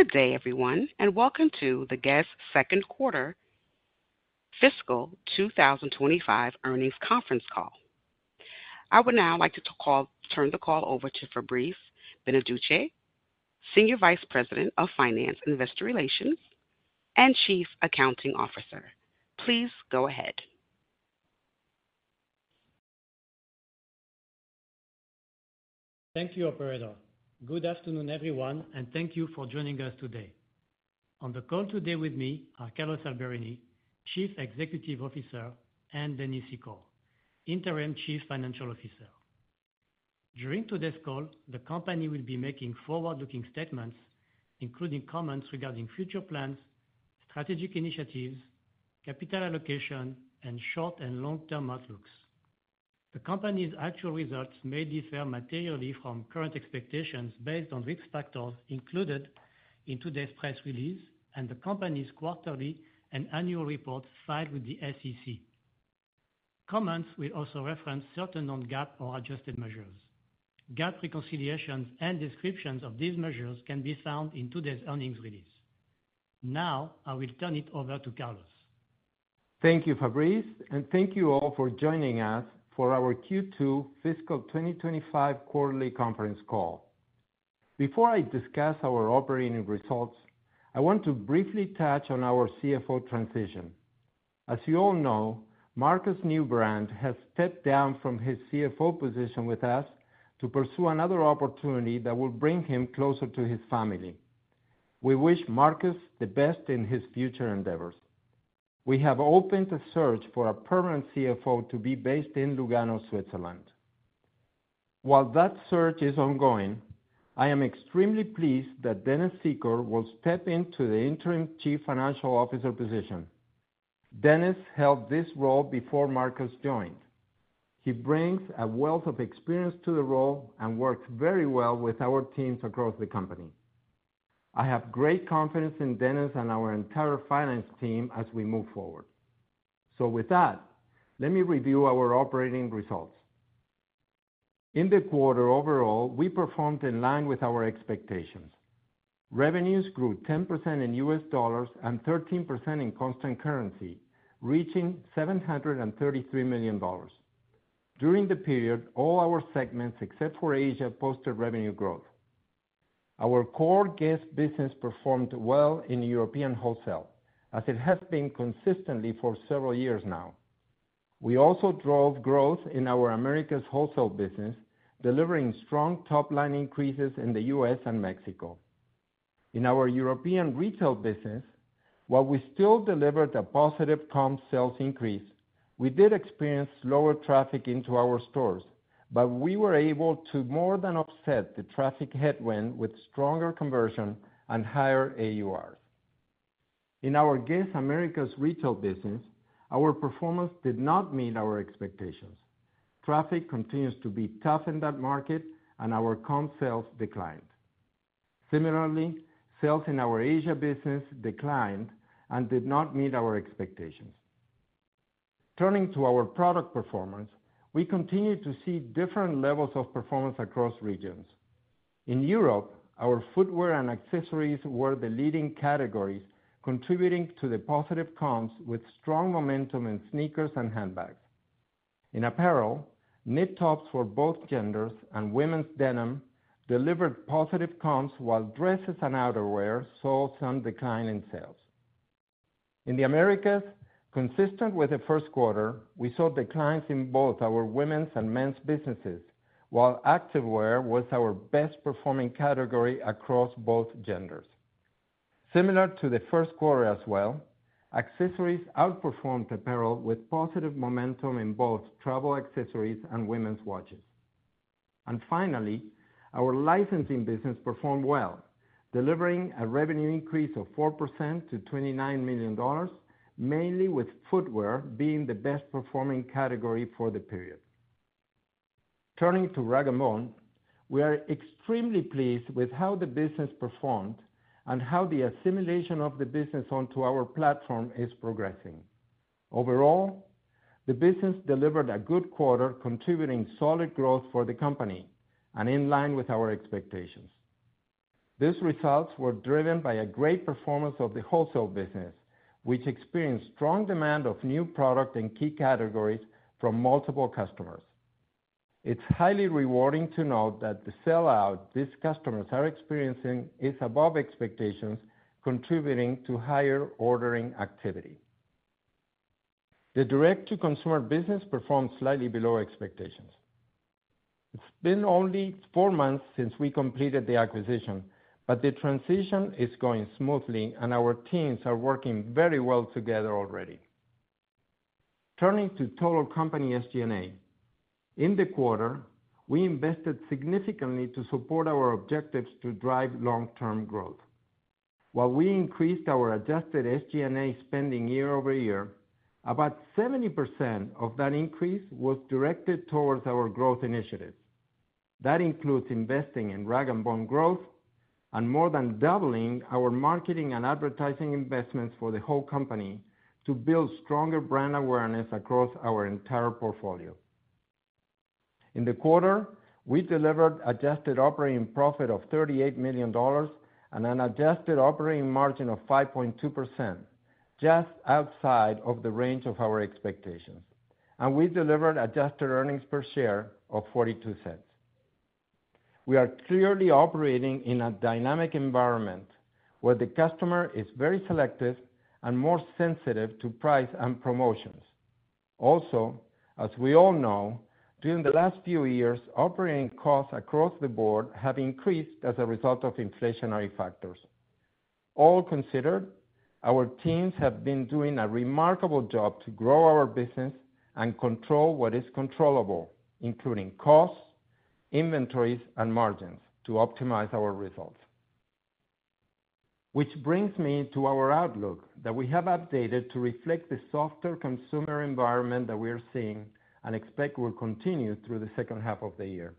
Good day, everyone, and welcome to the Guess Second Quarter Fiscal 2025 Earnings Conference Call. I would now like to turn the call over to Fabrice Benarouche, Senior Vice President of Finance, Investor Relations, and Chief Accounting Officer. Please go ahead. Thank you, operator. Good afternoon, everyone, and thank you for joining us today. On the call today with me are Carlos Alberini, Chief Executive Officer, and Dennis Secor, Interim Chief Financial Officer. During today's call, the company will be making forward-looking statements, including comments regarding future plans, strategic initiatives, capital allocation, and short and long-term outlooks. The company's actual results may differ materially from current expectations based on risk factors included in today's press release and the company's quarterly and annual report filed with the SEC. Comments will also reference certain non-GAAP or adjusted measures. GAAP reconciliations and descriptions of these measures can be found in today's earnings release. Now, I will turn it over to Carlos. Thank you, Fabrice, and thank you all for joining us for our Q2 fiscal 2025 quarterly conference call. Before I discuss our operating results, I want to briefly touch on our CFO transition. As you all know, Markus Neubrand has stepped down from his CFO position with us to pursue another opportunity that will bring him closer to his family. We wish Markus the best in his future endeavors. We have opened a search for a permanent CFO to be based in Lugano, Switzerland. While that search is ongoing, I am extremely pleased that Dennis Secor will step into the Interim Chief Financial Officer position. Dennis held this role before Markus joined. He brings a wealth of experience to the role and works very well with our teams across the company. I have great confidence in Dennis and our entire finance team as we move forward. So with that, let me review our operating results. In the quarter overall, we performed in line with our expectations. Revenues grew 10% in US dollars and 13% in constant currency, reaching $733 million. During the period, all our segments, except for Asia, posted revenue growth. Our core Guess business performed well in European wholesale, as it has been consistently for several years now. We also drove growth in our Americas Wholesale business, delivering strong top-line increases in the US and Mexico. In our European retail business, while we still delivered a positive comp sales increase, we did experience lower traffic into our stores, but we were able to more than offset the traffic headwind with stronger conversion and higher AURs. In our Guess Americas Retail business, our performance did not meet our expectations. Traffic continues to be tough in that market, and our comp sales declined. Similarly, sales in our Asia business declined and did not meet our expectations. Turning to our product performance, we continue to see different levels of performance across regions. In Europe, our footwear and accessories were the leading categories, contributing to the positive comps with strong momentum in sneakers and handbags. In apparel, knit tops for both genders and women's denim delivered positive comps, while dresses and outerwear saw some decline in sales. In the Americas, consistent with the first quarter, we saw declines in both our women's and men's businesses, while activewear was our best performing category across both genders. Similar to the first quarter as well, accessories outperformed apparel with positive momentum in both travel accessories and women's watches. Finally, our licensing business performed well, delivering a revenue increase of 4% to $29 million, mainly with footwear being the best performing category for the period. Turning to rag & bone, we are extremely pleased with how the business performed and how the assimilation of the business onto our platform is progressing. Overall, the business delivered a good quarter, contributing solid growth for the company and in line with our expectations. These results were driven by a great performance of the wholesale business, which experienced strong demand of new product and key categories from multiple customers. It's highly rewarding to note that the sell-out these customers are experiencing is above expectations, contributing to higher ordering activity. The direct-to-consumer business performed slightly below expectations. It's been only four months since we completed the acquisition, but the transition is going smoothly, and our teams are working very well together already. Turning to total company SG&A. In the quarter, we invested significantly to support our objectives to drive long-term growth. While we increased our adjusted SG&A spending year-over-year, about 70% of that increase was directed towards our growth initiatives. That includes investing in rag & bone growth and more than doubling our marketing and advertising investments for the whole company to build stronger brand awareness across our entire portfolio. In the quarter, we delivered adjusted operating profit of $38 million and an adjusted operating margin of 5.2%, just outside of the range of our expectations. And we delivered adjusted earnings per share of $0.42. We are clearly operating in a dynamic environment, where the customer is very selective and more sensitive to price and promotions. Also, as we all know, during the last few years, operating costs across the board have increased as a result of inflationary factors. All considered, our teams have been doing a remarkable job to grow our business and control what is controllable, including costs, inventories, and margins to optimize our results. Which brings me to our outlook that we have updated to reflect the softer consumer environment that we are seeing and expect will continue through the second half of the year.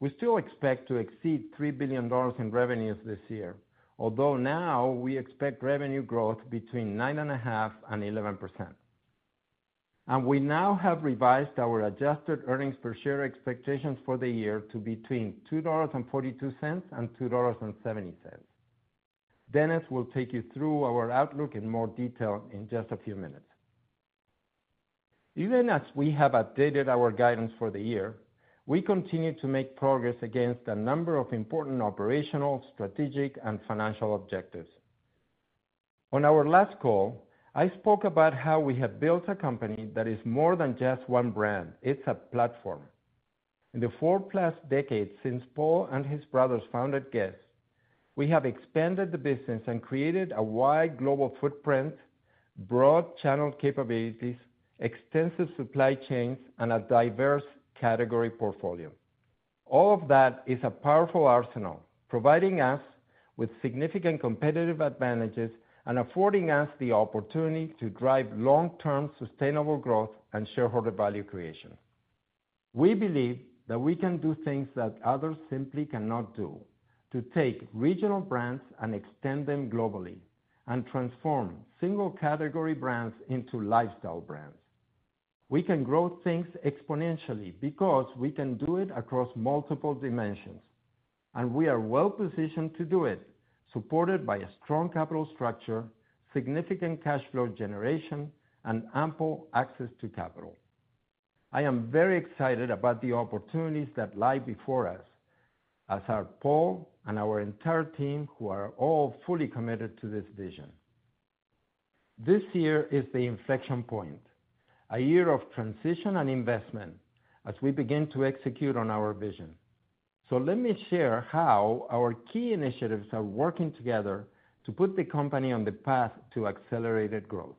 We still expect to exceed $3 billion in revenues this year, although now we expect revenue growth between 9.5% and 11%. And we now have revised our adjusted earnings per share expectations for the year to between $2.42 and $2.70. Dennis will take you through our outlook in more detail in just a few minutes. Even as we have updated our guidance for the year, we continue to make progress against a number of important operational, strategic, and financial objectives. On our last call, I spoke about how we have built a company that is more than just one brand, it's a platform. In the four-plus decades since Paul and his brothers founded Guess?, we have expanded the business and created a wide global footprint, broad channel capabilities, extensive supply chains, and a diverse category portfolio. All of that is a powerful arsenal, providing us with significant competitive advantages and affording us the opportunity to drive long-term sustainable growth and shareholder value creation. We believe that we can do things that others simply cannot do, to take regional brands and extend them globally and transform single category brands into lifestyle brands. We can grow things exponentially because we can do it across multiple dimensions, and we are well positioned to do it, supported by a strong capital structure, significant cash flow generation, and ample access to capital. I am very excited about the opportunities that lie before us, as are Paul and our entire team, who are all fully committed to this vision. This year is the inflection point, a year of transition and investment as we begin to execute on our vision. So let me share how our key initiatives are working together to put the company on the path to accelerated growth.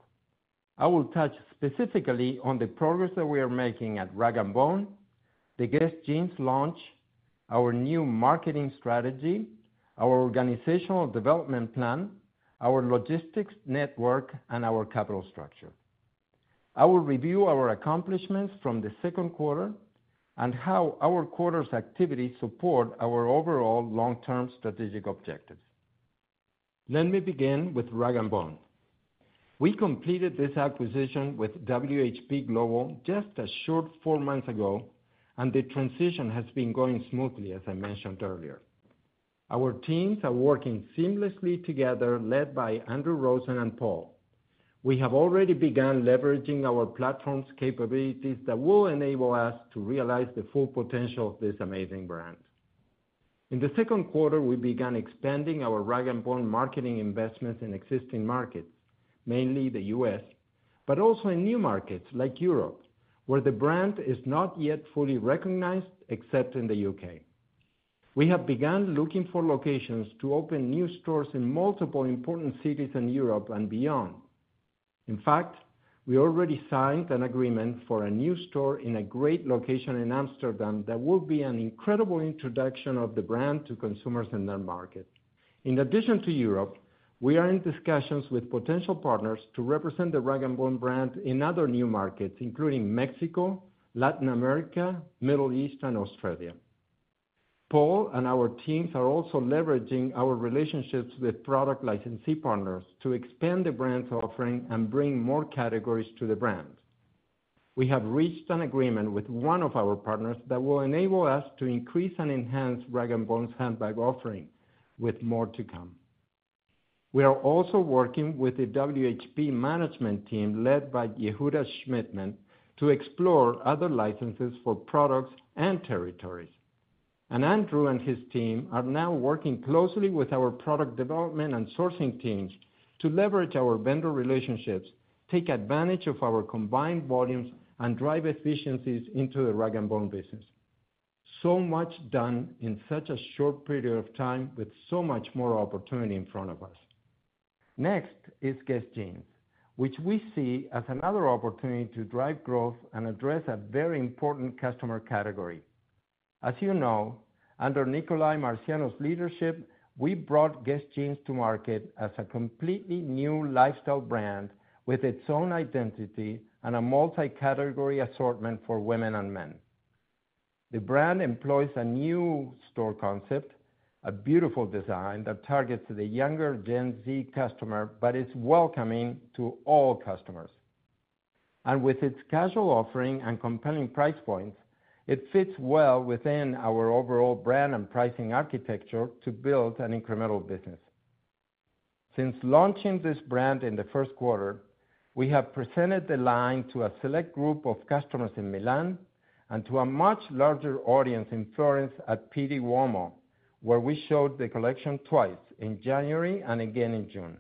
I will touch specifically on the progress that we are making at rag & bone, the Guess Jeans launch, our new marketing strategy, our organizational development plan, our logistics network, and our capital structure. I will review our accomplishments from the second quarter, and how our quarter's activities support our overall long-term strategic objectives. Let me begin with rag & bone. We completed this acquisition with WHP Global just a short four months ago, and the transition has been going smoothly, as I mentioned earlier. Our teams are working seamlessly together, led by Andrew Rosen and Paul. We have already begun leveraging our platform's capabilities that will enable us to realize the full potential of this amazing brand. In the second quarter, we began expanding our rag & bone marketing investments in existing markets, mainly the U.S., but also in new markets like Europe, where the brand is not yet fully recognized, except in the U.K. We have begun looking for locations to open new stores in multiple important cities in Europe and beyond. In fact, we already signed an agreement for a new store in a great location in Amsterdam that will be an incredible introduction of the brand to consumers in that market. In addition to Europe, we are in discussions with potential partners to represent the rag & bone brand in other new markets, including Mexico, Latin America, Middle East, and Australia. Paul and our teams are also leveraging our relationships with product licensee partners to expand the brand's offering and bring more categories to the brand. We have reached an agreement with one of our partners that will enable us to increase and enhance rag & bone's handbag offering, with more to come. We are also working with the WHP management team, led by Yehuda Shmidman, to explore other licenses for products and territories. And Andrew and his team are now working closely with our product development and sourcing teams to leverage our vendor relationships, take advantage of our combined volumes, and drive efficiencies into the rag & bone business. So much done in such a short period of time, with so much more opportunity in front of us. Next is Guess Jeans, which we see as another opportunity to drive growth and address a very important customer category. As you know, under Nikolai Marciano's leadership, we brought Guess Jeans to market as a completely new lifestyle brand with its own identity and a multi-category assortment for women and men. The brand employs a new store concept, a beautiful design that targets the younger Gen Z customer, but is welcoming to all customers and with its casual offering and compelling price points, it fits well within our overall brand and pricing architecture to build an incremental business. Since launching this brand in the first quarter, we have presented the line to a select group of customers in Milan, and to a much larger audience in Florence at Pitti Uomo, where we showed the collection twice, in January and again in June.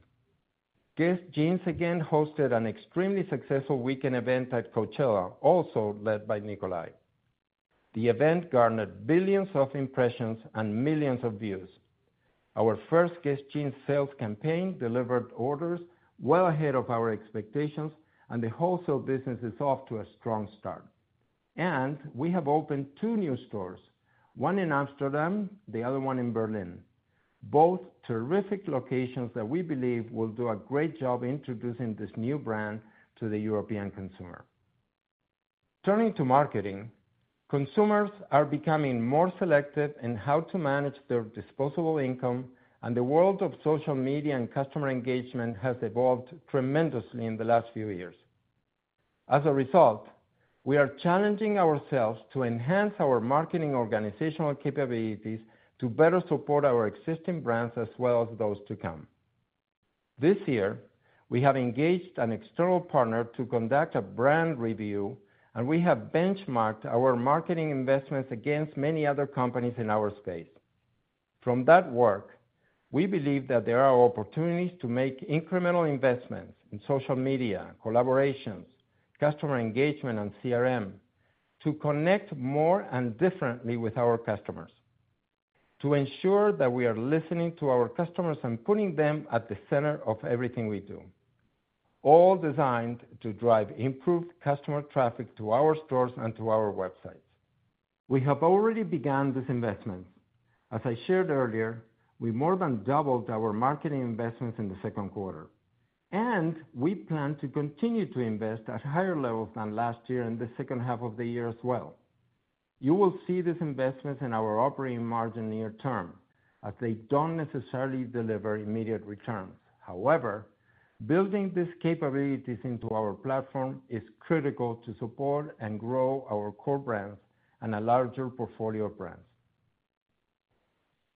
Guess Jeans again hosted an extremely successful weekend event at Coachella, also led by Nikolai. The event garnered billions of impressions and millions of views. Our first Guess Jeans sales campaign delivered orders well ahead of our expectations, and the wholesale business is off to a strong start. We have opened two new stores, one in Amsterdam, the other one in Berlin, both terrific locations that we believe will do a great job introducing this new brand to the European consumer. Turning to marketing, consumers are becoming more selective in how to manage their disposable income, and the world of social media and customer engagement has evolved tremendously in the last few years. As a result, we are challenging ourselves to enhance our marketing organizational capabilities to better support our existing brands as well as those to come. This year, we have engaged an external partner to conduct a brand review, and we have benchmarked our marketing investments against many other companies in our space. From that work, we believe that there are opportunities to make incremental investments in social media, collaborations, customer engagement, and CRM to connect more and differently with our customers, to ensure that we are listening to our customers and putting them at the center of everything we do, all designed to drive improved customer traffic to our stores and to our websites. We have already begun this investment. As I shared earlier, we more than doubled our marketing investments in the second quarter, and we plan to continue to invest at higher levels than last year in the second half of the year as well. You will see these investments in our operating margin near term, as they don't necessarily deliver immediate returns. However, building these capabilities into our platform is critical to support and grow our core brands and a larger portfolio of brands.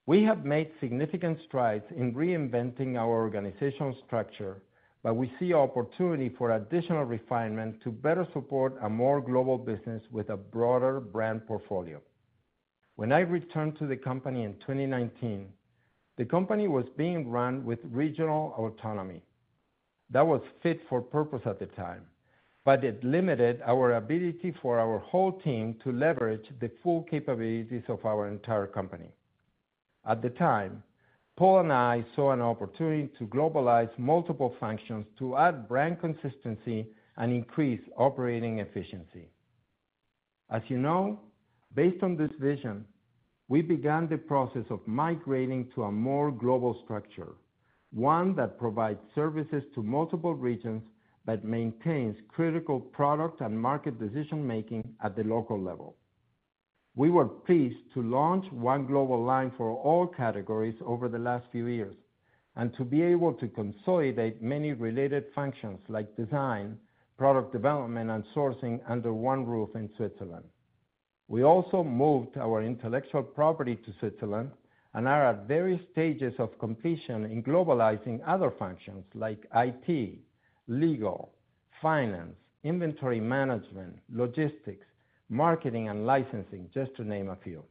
We have made significant strides in reinventing our organizational structure, but we see opportunity for additional refinement to better support a more global business with a broader brand portfolio. When I returned to the company in 2019, the company was being run with regional autonomy. That was fit for purpose at the time, but it limited our ability for our whole team to leverage the full capabilities of our entire company. At the time, Paul and I saw an opportunity to globalize multiple functions to add brand consistency and increase operating efficiency. As you know, based on this vision, we began the process of migrating to a more global structure, one that provides services to multiple regions, but maintains critical product and market decision-making at the local level. We were pleased to launch one global line for all categories over the last few years, and to be able to consolidate many related functions like design, product development, and sourcing under one roof in Switzerland. We also moved our intellectual property to Switzerland and are at various stages of completion in globalizing other functions like IT, legal, finance, inventory management, logistics, marketing, and licensing, just to name a few.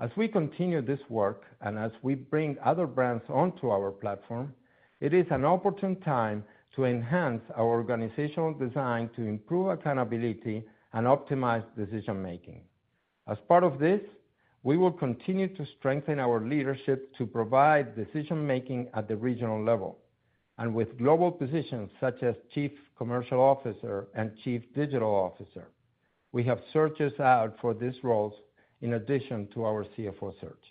As we continue this work, and as we bring other brands onto our platform, it is an opportune time to enhance our organizational design to improve accountability and optimize decision making. As part of this, we will continue to strengthen our leadership to provide decision making at the regional level, and with global positions such as Chief Commercial Officer and Chief Digital Officer. We have searches out for these roles in addition to our CFO search.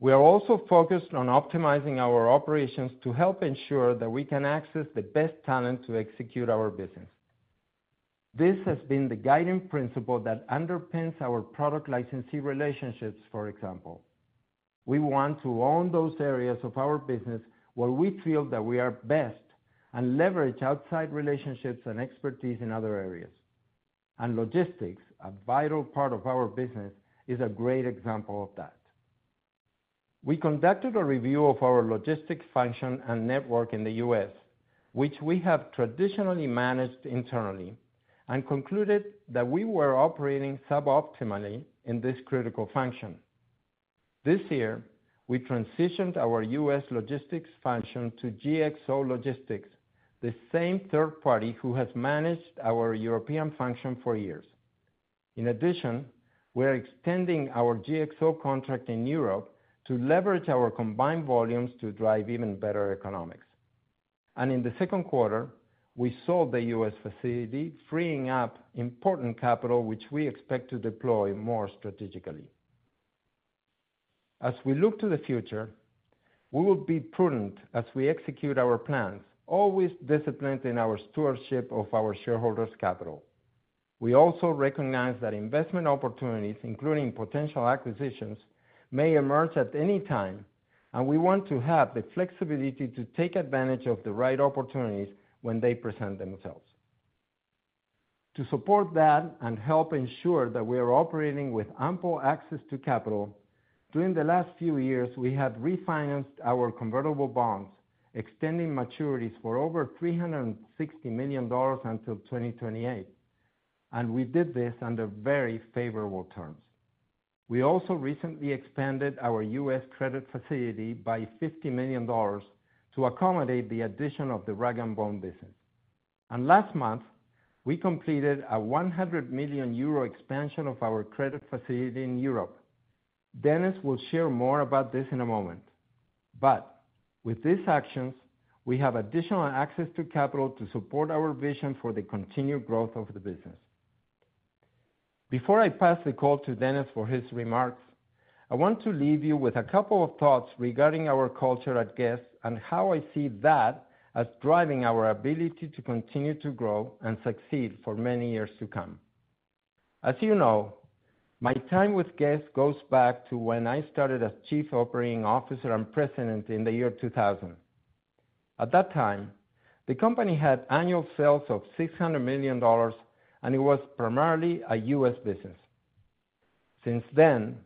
We are also focused on optimizing our operations to help ensure that we can access the best talent to execute our business. This has been the guiding principle that underpins our product licensee relationships, for example. We want to own those areas of our business where we feel that we are best, and leverage outside relationships and expertise in other areas, and logistics, a vital part of our business, is a great example of that. We conducted a review of our logistics function and network in the U.S., which we have traditionally managed internally, and concluded that we were operating suboptimally in this critical function. This year, we transitioned our U.S. logistics function to GXO Logistics, the same third party who has managed our European function for years. In addition, we are extending our GXO contract in Europe to leverage our combined volumes to drive even better economics. In the second quarter, we sold the U.S. facility, freeing up important capital, which we expect to deploy more strategically. As we look to the future, we will be prudent as we execute our plans, always disciplined in our stewardship of our shareholders' capital. We also recognize that investment opportunities, including potential acquisitions, may emerge at any time, and we want to have the flexibility to take advantage of the right opportunities when they present themselves. To support that and help ensure that we are operating with ample access to capital, during the last few years, we have refinanced our convertible bonds, extending maturities for over $360 million until 2028, and we did this under very favorable terms. We also recently expanded our U.S. credit facility by $50 million to accommodate the addition of the rag & bone business. And last month, we completed a 100 million euro expansion of our credit facility in Europe. Dennis will share more about this in a moment. But with these actions, we have additional access to capital to support our vision for the continued growth of the business. Before I pass the call to Dennis for his remarks, I want to leave you with a couple of thoughts regarding our culture at Guess? and how I see that as driving our ability to continue to grow and succeed for many years to come. As you know, my time with Guess? goes back to when I started as chief operating officer and president in the year 2000. At that time, the company had annual sales of $600 million, and it was primarily a U.S. business. Since then,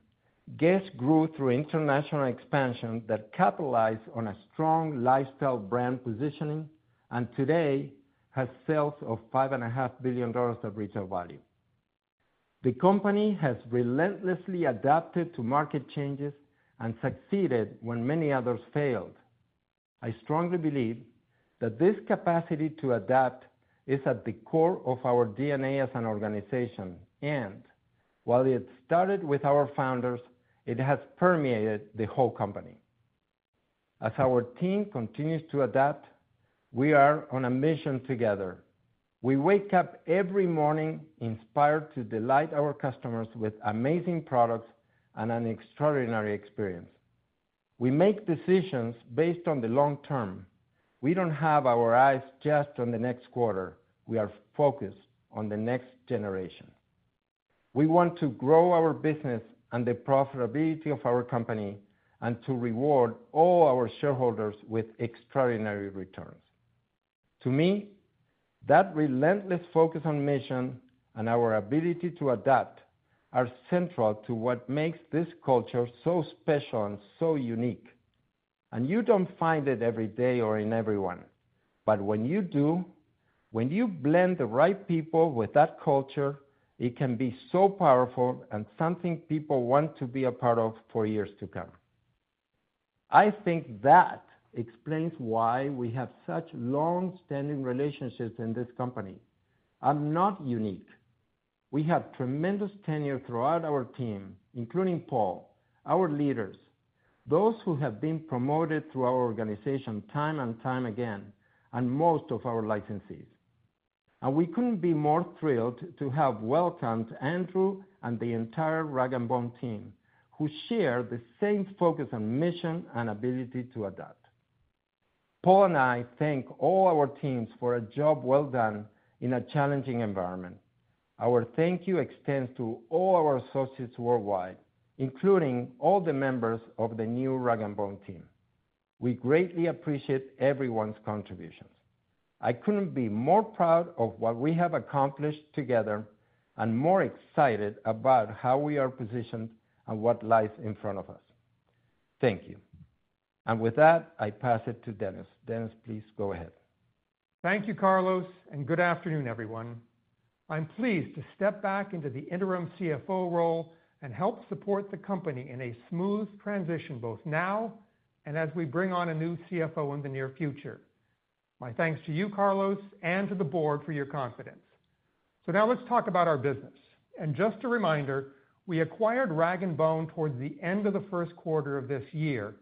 Guess? grew through international expansion that capitalized on a strong lifestyle brand positioning, and today has sales of $5.5 billion of retail value. The company has relentlessly adapted to market changes and succeeded when many others failed. I strongly believe that this capacity to adapt is at the core of our DNA as an organization, and while it started with our founders, it has permeated the whole company. As our team continues to adapt, we are on a mission together. We wake up every morning inspired to delight our customers with amazing products and an extraordinary experience. We make decisions based on the long term. We don't have our eyes just on the next quarter. We are focused on the next generation. We want to grow our business and the profitability of our company and to reward all our shareholders with extraordinary returns. To me, that relentless focus on mission and our ability to adapt are central to what makes this culture so special and so unique, and you don't find it every day or in everyone. But when you do, when you blend the right people with that culture, it can be so powerful and something people want to be a part of for years to come. I think that explains why we have such long-standing relationships in this company. I'm not unique. We have tremendous tenure throughout our team, including Paul, our leaders, those who have been promoted through our organization time and time again, and most of our licensees. And we couldn't be more thrilled to have welcomed Andrew and the entire rag & bone team, who share the same focus and mission and ability to adapt. Paul and I thank all our teams for a job well done in a challenging environment. Our thank you extends to all our associates worldwide, including all the members of the new rag & bone team. We greatly appreciate everyone's contributions. I couldn't be more proud of what we have accomplished together and more excited about how we are positioned and what lies in front of us. Thank you, and with that, I pass it to Dennis. Dennis, please go ahead. Thank you, Carlos, and good afternoon, everyone. I'm pleased to step back into the interim CFO role and help support the company in a smooth transition, both now and as we bring on a new CFO in the near future. My thanks to you, Carlos, and to the board for your confidence, so now let's talk about our business, and just a reminder, we acquired rag & bone towards the end of the first quarter of this year,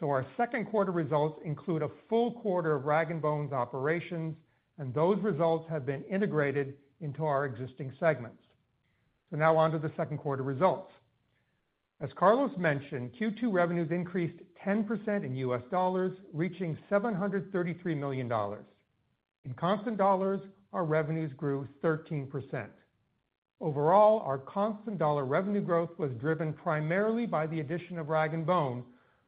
so our second quarter results include a full quarter of rag & bone's operations, and those results have been integrated into our existing segments, so now on to the second quarter results. As Carlos mentioned, Q2 revenues increased 10% in US dollars, reaching $733 million. In constant dollars, our revenues grew 13%. Overall, our constant dollar revenue growth was driven primarily by the addition of rag & bone,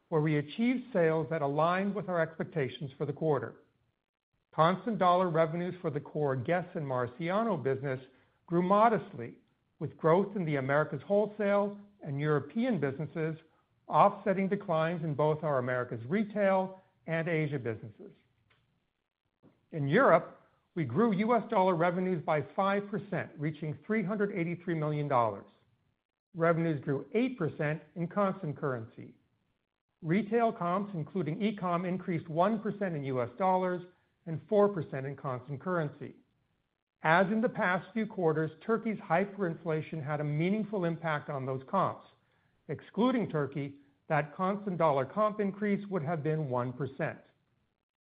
where we achieved sales that aligned with our expectations for the quarter. Constant dollar revenues for the core Guess and Marciano business grew modestly, with growth in the Americas Wholesale and European businesses offsetting declines in both our Americas Retail and Asia businesses. In Europe, we grew US dollar revenues by 5%, reaching $383 million. Revenues grew 8% in constant currency. Retail comps, including e-com, increased 1% in US dollars and 4% in constant currency. As in the past few quarters, Turkey's hyperinflation had a meaningful impact on those comps. Excluding Turkey, that constant dollar comp increase would have been 1%.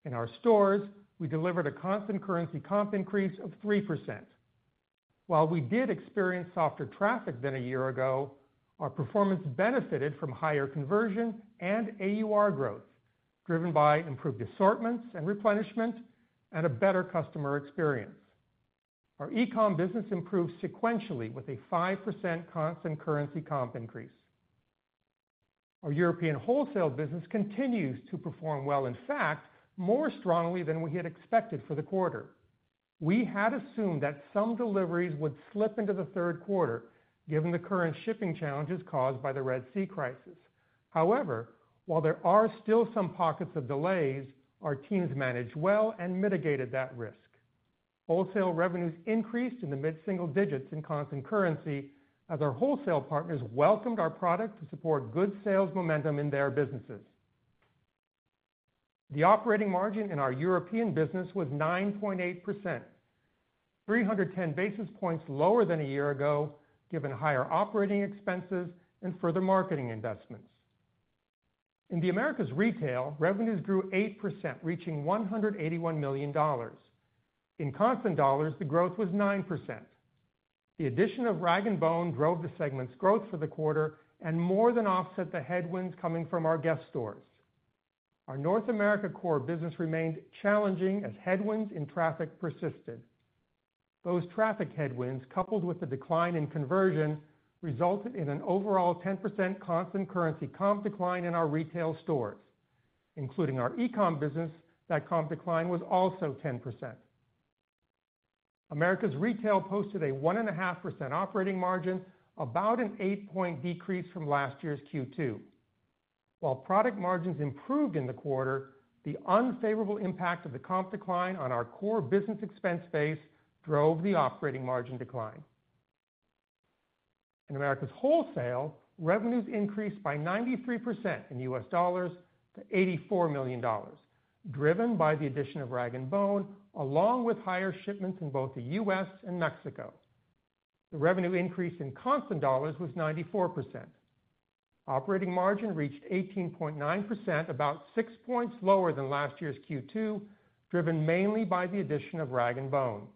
In our stores, we delivered a constant currency comp increase of 3%. While we did experience softer traffic than a year ago, our performance benefited from higher conversion and AUR growth, driven by improved assortments and replenishment and a better customer experience. Our e-com business improved sequentially with a 5% constant currency comp increase. Our European wholesale business continues to perform well, in fact, more strongly than we had expected for the quarter. We had assumed that some deliveries would slip into the third quarter, given the current shipping challenges caused by the Red Sea crisis. However, while there are still some pockets of delays, our teams managed well and mitigated that risk. Wholesale revenues increased in the mid-single digits in constant currency, as our wholesale partners welcomed our product to support good sales momentum in their businesses. The operating margin in our European business was 9.8%, 310 basis points lower than a year ago, given higher operating expenses and further marketing investments. In the Americas Retail, revenues grew 8%, reaching $181 million. In constant dollars, the growth was 9%. The addition of rag & bone drove the segment's growth for the quarter and more than offset the headwinds coming from our Guess stores. Our North America core business remained challenging as headwinds in traffic persisted. Those traffic headwinds, coupled with the decline in conversion, resulted in an overall 10% constant currency comp decline in our retail stores. Including our e-com business, that comp decline was also 10%. Americas Retail posted a 1.5% operating margin, about an 8-point decrease from last year's Q2. While product margins improved in the quarter, the unfavorable impact of the comp decline on our core business expense base drove the operating margin decline. In Americas Wholesale, revenues increased by 93% in US dollars to $84 million, driven by the addition of rag & bone, along with higher shipments in both the US and Mexico. The revenue increase in constant dollars was 94%. Operating margin reached 18.9%, about six points lower than last year's Q2, driven mainly by the addition of rag & bone.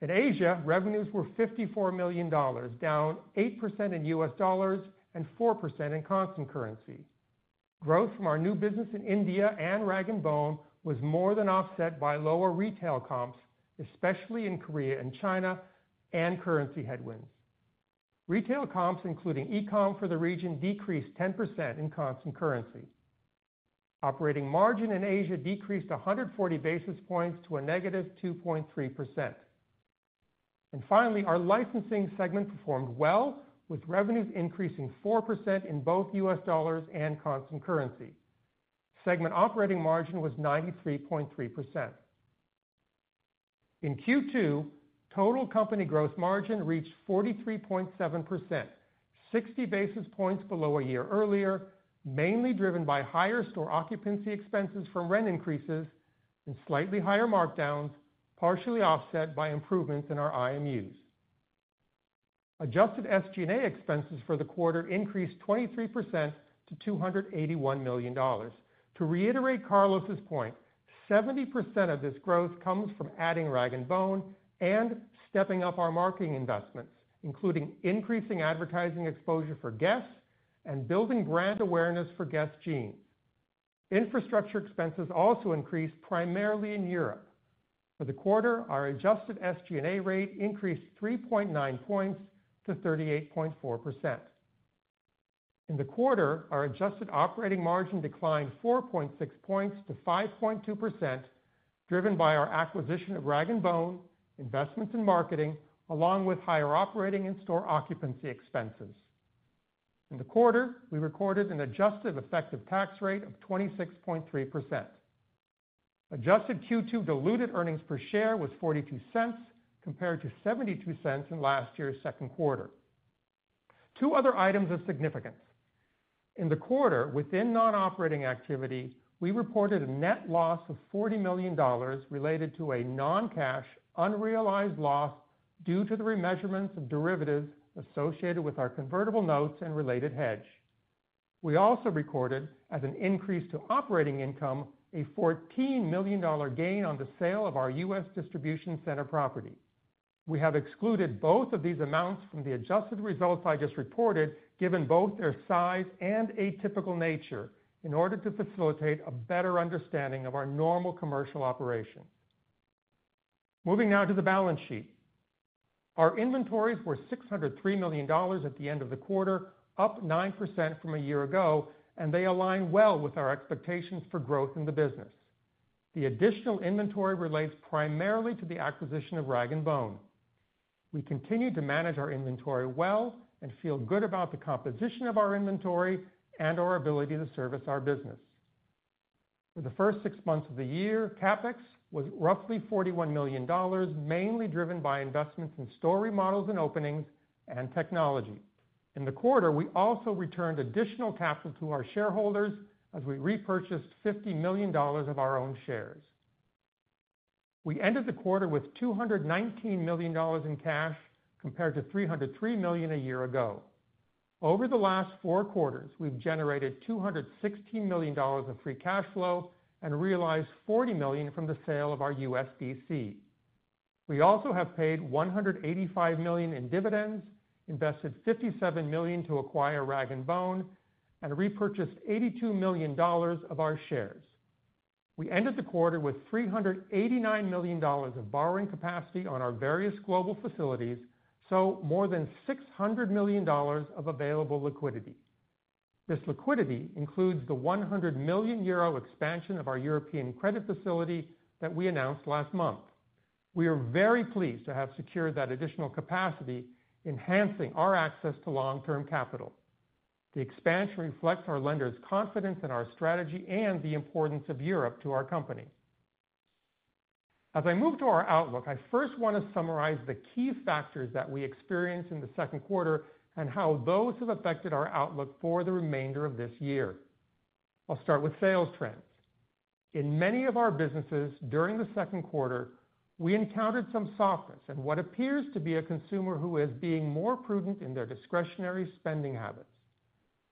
In Asia, revenues were $54 million, down 8% in US dollars and 4% in constant currency. Growth from our new business in India and rag & bone was more than offset by lower retail comps, especially in Korea and China, and currency headwinds. Retail comps, including e-com for the region, decreased 10% in constant currency. Operating margin in Asia decreased 140 basis points to a negative 2.3%. And finally, our licensing segment performed well, with revenues increasing 4% in both US dollars and constant currency. Segment operating margin was 93.3%. In Q2, total company gross margin reached 43.7%, 60 basis points below a year earlier, mainly driven by higher store occupancy expenses from rent increases and slightly higher markdowns, partially offset by improvements in our IMUs. Adjusted SG&A expenses for the quarter increased 23% to $281 million. To reiterate Carlos's point, 70% of this growth comes from adding rag & bone and stepping up our marketing investments, including increasing advertising exposure for Guess and building brand awareness for Guess Jeans. Infrastructure expenses also increased, primarily in Europe. For the quarter, our adjusted SG&A rate increased 3.9 points to 38.4%. In the quarter, our adjusted operating margin declined 4.6 points to 5.2%, driven by our acquisition of rag & bone, investments in marketing, along with higher operating and store occupancy expenses. In the quarter, we recorded an adjusted effective tax rate of 26.3%. Adjusted Q2 diluted earnings per share was $0.42, compared to $0.72 in last year's second quarter. Two other items of significance. In the quarter, within non-operating activity, we reported a net loss of $40 million related to a non-cash, unrealized loss due to the remeasurements of derivatives associated with our convertible notes and related hedge. We also recorded, as an increase to operating income, a $14 million gain on the sale of our U.S. distribution center property. We have excluded both of these amounts from the adjusted results I just reported, given both their size and atypical nature, in order to facilitate a better understanding of our normal commercial operation. Moving now to the balance sheet. Our inventories were $603 million at the end of the quarter, up 9% from a year ago, and they align well with our expectations for growth in the business. The additional inventory relates primarily to the acquisition of rag & bone. We continue to manage our inventory well and feel good about the composition of our inventory and our ability to service our business. For the first six months of the year, CapEx was roughly $41 million, mainly driven by investments in store remodels and openings and technology. In the quarter, we also returned additional capital to our shareholders as we repurchased $50 million of our own shares. We ended the quarter with $219 million in cash, compared to $303 million a year ago. Over the last four quarters, we've generated $216 million of free cash flow and realized $40 million from the sale of our U.S. business assets. We also have paid $185 million in dividends, invested $57 million to acquire rag & bone, and repurchased $82 million of our shares. We ended the quarter with $389 million of borrowing capacity on our various global facilities, so more than $600 million of available liquidity. This liquidity includes the 100 million euro expansion of our European credit facility that we announced last month. We are very pleased to have secured that additional capacity, enhancing our access to long-term capital. The expansion reflects our lenders' confidence in our strategy and the importance of Europe to our company. As I move to our outlook, I first want to summarize the key factors that we experienced in the second quarter and how those have affected our outlook for the remainder of this year. I'll start with sales trends. In many of our businesses, during the second quarter, we encountered some softness in what appears to be a consumer who is being more prudent in their discretionary spending habits.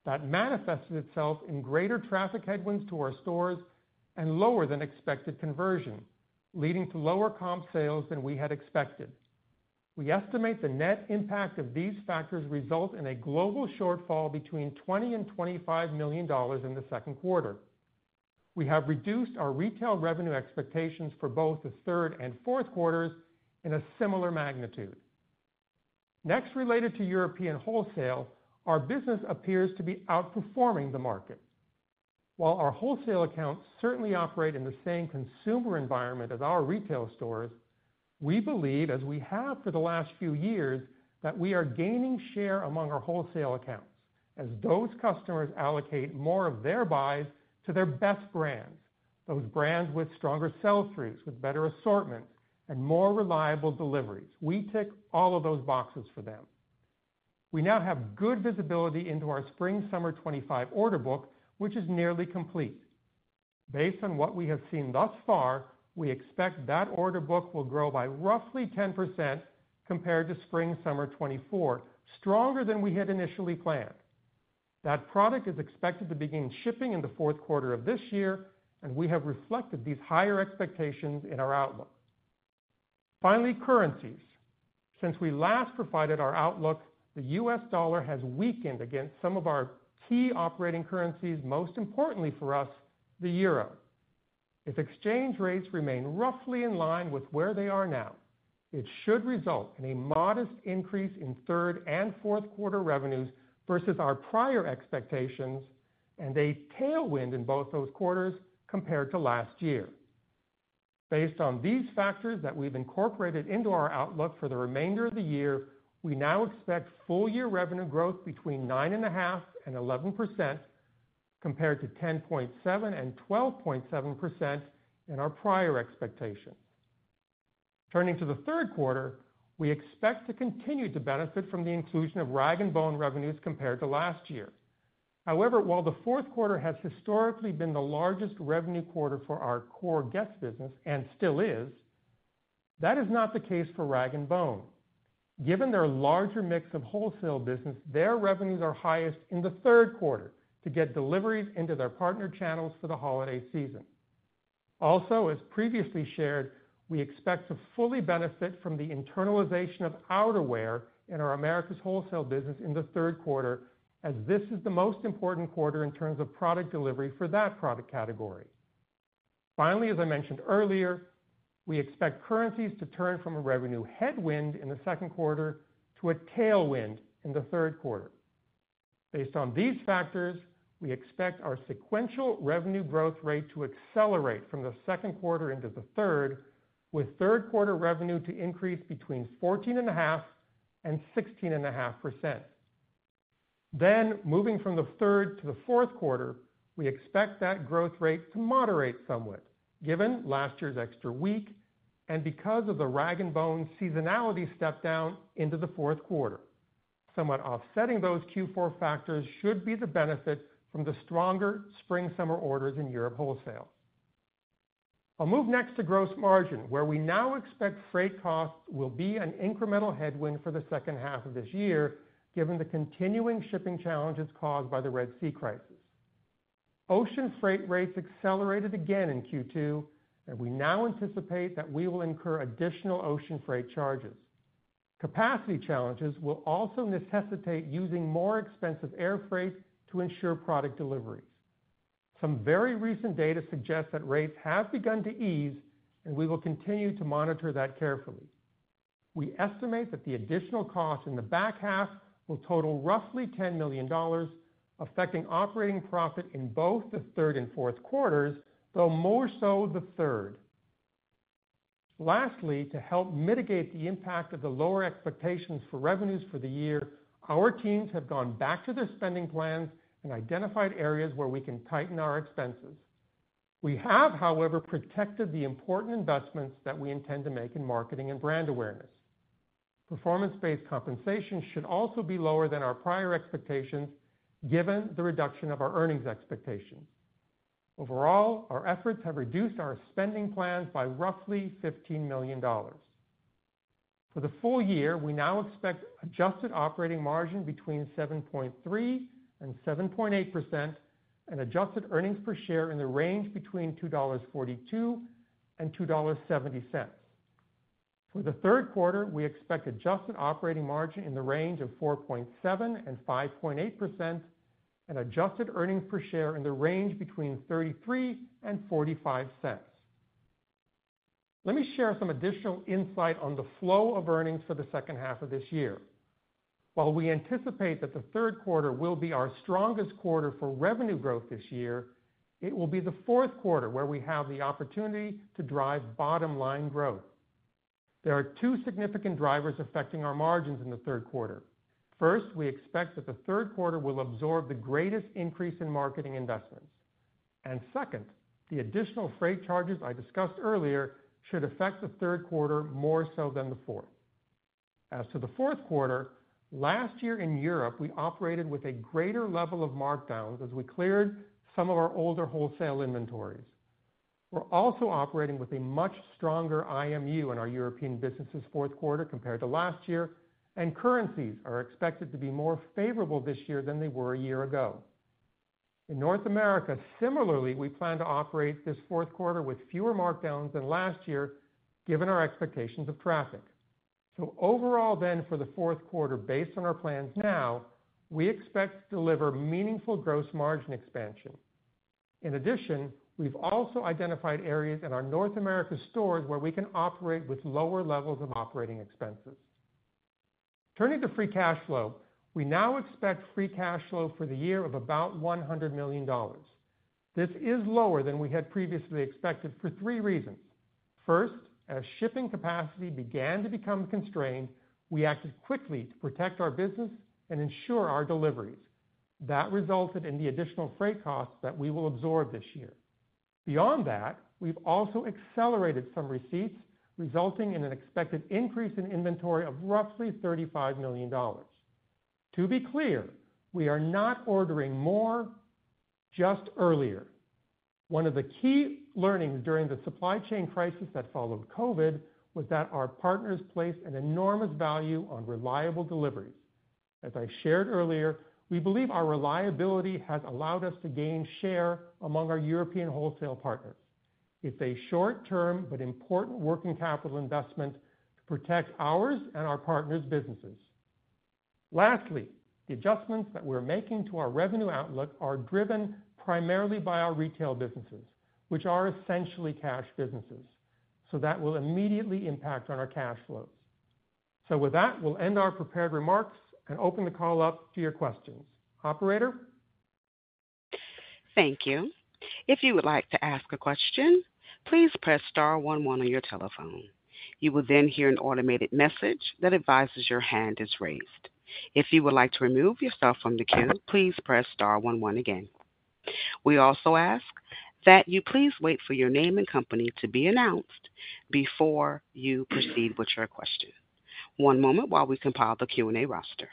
That manifested itself in greater traffic headwinds to our stores and lower than expected conversion, leading to lower comp sales than we had expected. We estimate the net impact of these factors result in a global shortfall between $20 million and $25 million in the second quarter. We have reduced our retail revenue expectations for both the third and fourth quarters in a similar magnitude. Next, related to European wholesale, our business appears to be outperforming the market. While our wholesale accounts certainly operate in the same consumer environment as our retail stores, we believe, as we have for the last few years, that we are gaining share among our wholesale accounts as those customers allocate more of their buys to their best brands, those brands with stronger sell-throughs, with better assortment, and more reliable deliveries. We tick all of those boxes for them. We now have good visibility into our Spring-Summer 2025 order book, which is nearly complete. Based on what we have seen thus far, we expect that order book will grow by roughly 10% compared to Spring-Summer 2024, stronger than we had initially planned. That product is expected to begin shipping in the fourth quarter of this year, and we have reflected these higher expectations in our outlook. Finally, currencies. Since we last provided our outlook, the U.S. dollar has weakened against some of our key operating currencies, most importantly for us, the euro. If exchange rates remain roughly in line with where they are now, it should result in a modest increase in third and fourth quarter revenues versus our prior expectations and a tailwind in both those quarters compared to last year. Based on these factors that we've incorporated into our outlook for the remainder of the year, we now expect full-year revenue growth between 9.5% and 11%, compared to 10.7%-12.7% in our prior expectations. Turning to the third quarter, we expect to continue to benefit from the inclusion of rag & bone revenues compared to last year. However, while the fourth quarter has historically been the largest revenue quarter for our core Guess? business, and still is, that is not the case for rag & bone. Given their larger mix of wholesale business, their revenues are highest in the third quarter to get deliveries into their partner channels for the holiday season. Also, as previously shared, we expect to fully benefit from the internalization of outerwear in our Americas Wholesale business in the third quarter, as this is the most important quarter in terms of product delivery for that product category. Finally, as I mentioned earlier, we expect currencies to turn from a revenue headwind in the second quarter to a tailwind in the third quarter. Based on these factors, we expect our sequential revenue growth rate to accelerate from the second quarter into the third, with third quarter revenue to increase between 14.5% and 16.5%. Then, moving from the third to the fourth quarter, we expect that growth rate to moderate somewhat, given last year's extra week and because of the rag & bone seasonality step down into the fourth quarter. Somewhat offsetting those Q4 factors should be the benefit from the stronger Spring-Summer orders in Europe wholesale. I'll move next to gross margin, where we now expect freight costs will be an incremental headwind for the second half of this year, given the continuing shipping challenges caused by the Red Sea crisis. Ocean freight rates accelerated again in Q2, and we now anticipate that we will incur additional ocean freight charges. Capacity challenges will also necessitate using more expensive air freight to ensure product deliveries. Some very recent data suggests that rates have begun to ease, and we will continue to monitor that carefully. We estimate that the additional cost in the back half will total roughly $10 million, affecting operating profit in both the third and fourth quarters, though more so the third. Lastly, to help mitigate the impact of the lower expectations for revenues for the year, our teams have gone back to their spending plans and identified areas where we can tighten our expenses. We have, however, protected the important investments that we intend to make in marketing and brand awareness. Performance-based compensation should also be lower than our prior expectations, given the reduction of our earnings expectations. Overall, our efforts have reduced our spending plans by roughly $15 million.... For the full year, we now expect adjusted operating margin between 7.3% and 7.8%, and adjusted earnings per share in the range between $2.42 and $2.70. For the third quarter, we expect adjusted operating margin in the range of 4.7%-5.8%, and adjusted earnings per share in the range between $0.33 and $0.45. Let me share some additional insight on the flow of earnings for the second half of this year. While we anticipate that the third quarter will be our strongest quarter for revenue growth this year, it will be the fourth quarter where we have the opportunity to drive bottom line growth. There are two significant drivers affecting our margins in the third quarter. First, we expect that the third quarter will absorb the greatest increase in marketing investments. And second, the additional freight charges I discussed earlier should affect the third quarter more so than the fourth. As to the fourth quarter, last year in Europe, we operated with a greater level of markdowns as we cleared some of our older wholesale inventories. We're also operating with a much stronger IMU in our European business's fourth quarter compared to last year, and currencies are expected to be more favorable this year than they were a year ago. In North America, similarly, we plan to operate this fourth quarter with fewer markdowns than last year, given our expectations of traffic. So overall then, for the fourth quarter, based on our plans now, we expect to deliver meaningful gross margin expansion. In addition, we've also identified areas in our North America stores where we can operate with lower levels of operating expenses. Turning to free cash flow, we now expect free cash flow for the year of about $100 million. This is lower than we had previously expected for three reasons. First, as shipping capacity began to become constrained, we acted quickly to protect our business and ensure our deliveries. That resulted in the additional freight costs that we will absorb this year. Beyond that, we've also accelerated some receipts, resulting in an expected increase in inventory of roughly $35 million. To be clear, we are not ordering more, just earlier. One of the key learnings during the supply chain crisis that followed COVID was that our partners place an enormous value on reliable deliveries. As I shared earlier, we believe our reliability has allowed us to gain share among our European wholesale partners. It's a short term, but important working capital investment to protect ours and our partners' businesses. Lastly, the adjustments that we're making to our revenue outlook are driven primarily by our retail businesses, which are essentially cash businesses, so that will immediately impact on our cash flows. So with that, we'll end our prepared remarks and open the call up to your questions. Operator? Thank you. If you would like to ask a question, please press star one one on your telephone. You will then hear an automated message that advises your hand is raised. If you would like to remove yourself from the queue, please press star one one again. We also ask that you please wait for your name and company to be announced before you proceed with your question. One moment while we compile the Q&A roster.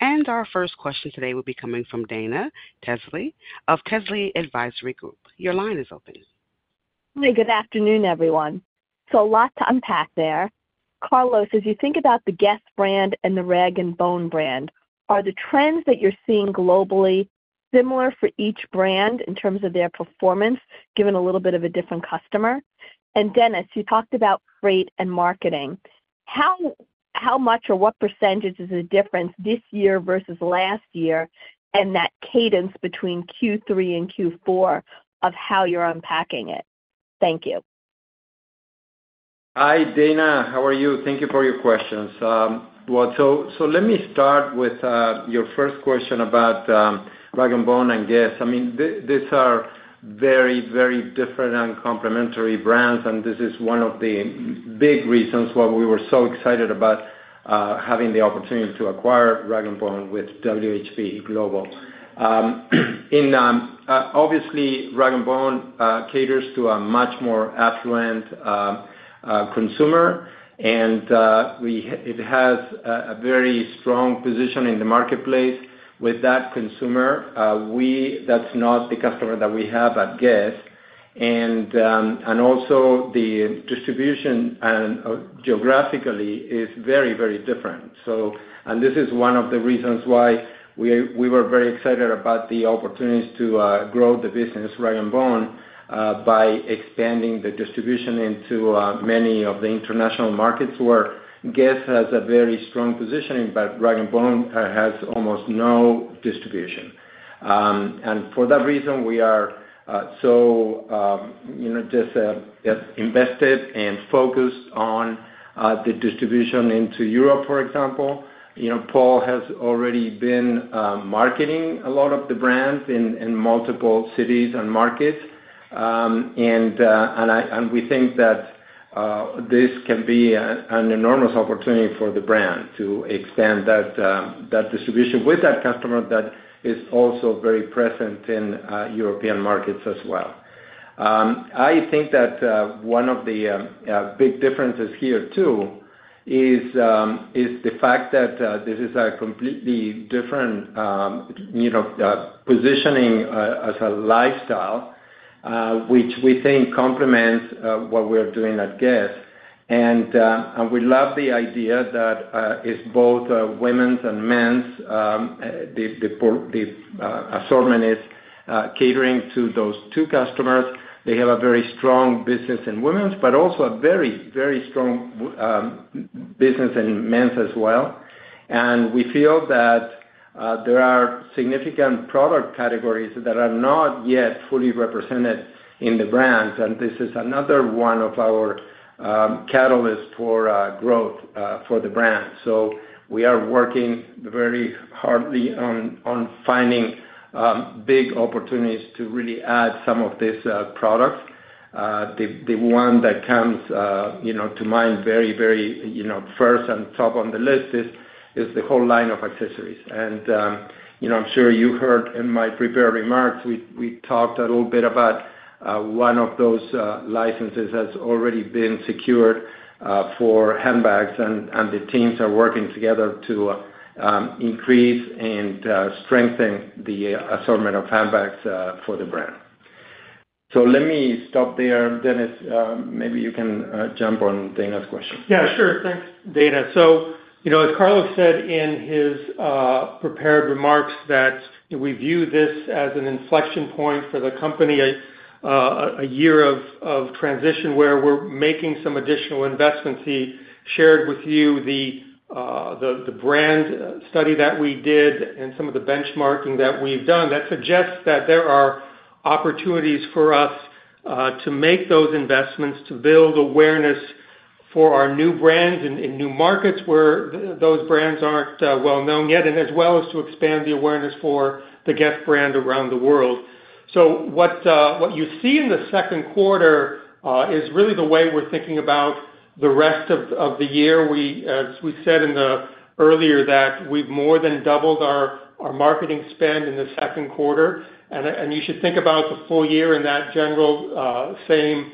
And our first question today will be coming from Dana Telsey of Telsey Advisory Group. Your line is open. Good afternoon, everyone, so a lot to unpack there. Carlos, as you think about the Guess brand and the rag & bone brand, are the trends that you're seeing globally similar for each brand in terms of their performance, given a little bit of a different customer?, and Dennis, you talked about freight and marketing. How much or what percentage is the difference this year versus last year, and that cadence between Q3 and Q4 of how you're unpacking it? Thank you. Hi, Dana, how are you? Thank you for your questions. Well, so let me start with your first question about rag & bone and Guess?. I mean, these are very, very different and complementary brands, and this is one of the big reasons why we were so excited about having the opportunity to acquire rag & bone with WHP Global. Obviously, rag & bone caters to a much more affluent consumer, and it has a very strong position in the marketplace with that consumer. That's not the customer that we have at Guess?. And also the distribution and geographically is very, very different. So... This is one of the reasons why we were very excited about the opportunities to grow the business, rag & bone, by expanding the distribution into many of the international markets where Guess has a very strong positioning, but rag & bone has almost no distribution. For that reason, we are so, you know, just invested and focused on the distribution into Europe, for example. You know, Paul has already been marketing a lot of the brands in multiple cities and markets. We think that this can be an enormous opportunity for the brand to expand that distribution with that customer that is also very present in European markets as well. I think that one of the big differences here, too, is the fact that this is a completely different, you know, positioning as a lifestyle, which we think complements what we are doing at Guess. And we love the idea that it is both women's and men's, the assortment is catering to those two customers. They have a very strong business in women's, but also a very, very strong business in men's as well. And we feel that there are significant product categories that are not yet fully represented in the brands, and this is another one of our catalysts for growth for the brand. So we are working very hard on finding big opportunities to really add some of this products. The one that comes you know to mind very first and top on the list is the whole line of accessories. And you know I'm sure you heard in my prepared remarks, we talked a little bit about one of those licenses that's already been secured for handbags, and the teams are working together to increase and strengthen the assortment of handbags for the brand. So let me stop there, Dennis. Maybe you can jump on Dana's question. Yeah, sure. Thanks, Dana. So, you know, as Carlos said in his prepared remarks, that we view this as an inflection point for the company, a year of transition, where we're making some additional investments. He shared with you the brand study that we did and some of the benchmarking that we've done, that suggests that there are opportunities for us to make those investments, to build awareness for our new brands in new markets where those brands aren't well known yet, and as well as to expand the awareness for the Guess brand around the world. So what you see in the second quarter is really the way we're thinking about the rest of the year. We, as we said in the earlier, that we've more than doubled our marketing spend in the second quarter. You should think about the full year in that general same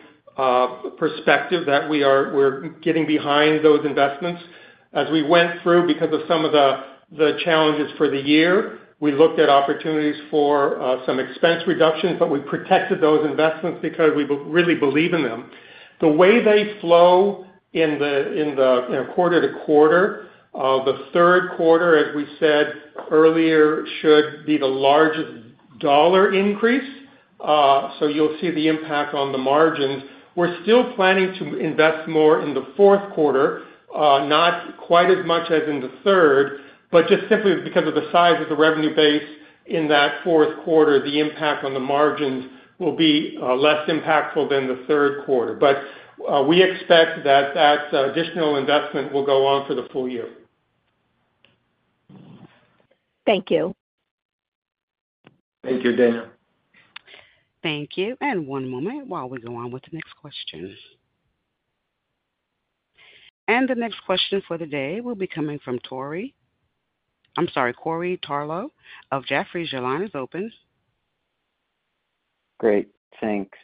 perspective, that we're getting behind those investments. As we went through, because of some of the challenges for the year, we looked at opportunities for some expense reductions, but we protected those investments because we really believe in them. The way they flow in the, you know, quarter to quarter, the third quarter, as we said earlier, should be the largest dollar increase. So you'll see the impact on the margins. We're still planning to invest more in the fourth quarter, not quite as much as in the third, but just simply because of the size of the revenue base in that fourth quarter, the impact on the margins will be less impactful than the third quarter. But we expect that additional investment will go on for the full year. Thank you. Thank you, Dana. Thank you, and one moment while we go on with the next question. And the next question for the day will be coming from... I'm sorry, Corey Tarlow of Jefferies. Your line is open. Great, thanks.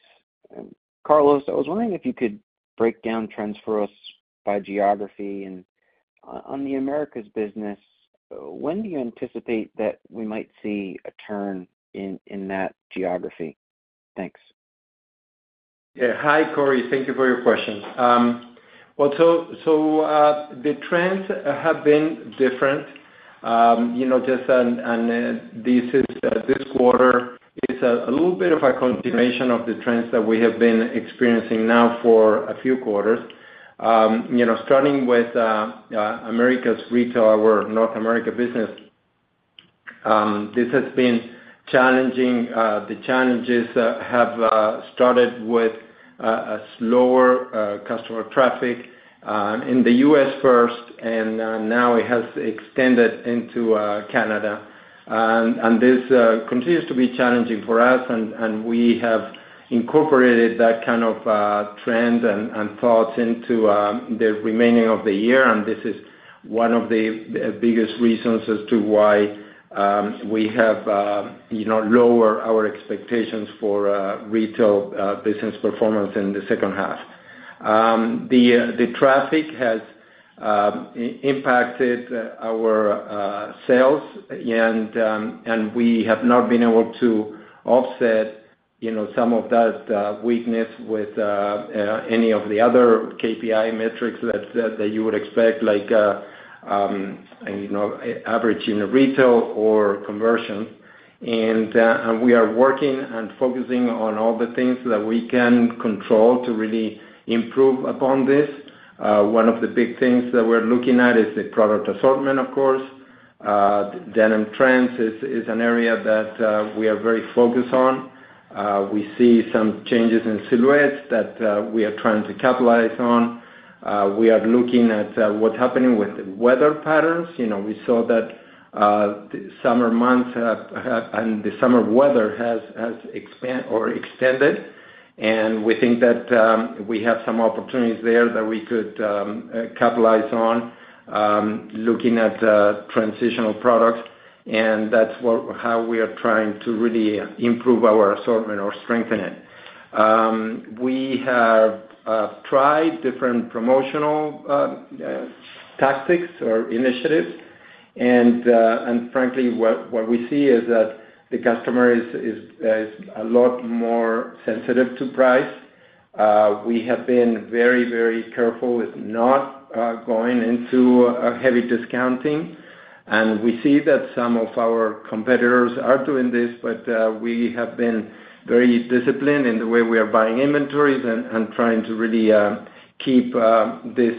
And Carlos, I was wondering if you could break down trends for us by geography. And, on the Americas business, when do you anticipate that we might see a turn in that geography? Thanks. Yeah. Hi, Corey, thank you for your question. Well, so the trends have been different. You know, and this quarter is a little bit of a continuation of the trends that we have been experiencing now for a few quarters. You know, starting with Americas Retail, our North America business, this has been challenging. The challenges have started with a slower customer traffic in the U.S. first, and now it has extended into Canada. This continues to be challenging for us, and we have incorporated that kind of trend and thoughts into the remaining of the year. This is one of the biggest reasons as to why we have you know lower our expectations for retail business performance in the second half. The traffic has impacted our sales, and we have not been able to offset you know some of that weakness with any of the other KPI metrics that you would expect, like you know average unit retail or conversion, and we are working and focusing on all the things that we can control to really improve upon this. One of the big things that we're looking at is the product assortment, of course. Denim trends is an area that we are very focused on. We see some changes in silhouettes that we are trying to capitalize on. We are looking at what's happening with the weather patterns. You know, we saw that the summer months have and the summer weather has expanded or extended, and we think that we have some opportunities there that we could capitalize on, looking at transitional products, and that's how we are trying to really improve our assortment or strengthen it. We have tried different promotional tactics or initiatives, and frankly, what we see is that the customer is a lot more sensitive to price. We have been very, very careful with not going into a heavy discounting, and we see that some of our competitors are doing this, but we have been very disciplined in the way we are buying inventories and trying to really keep this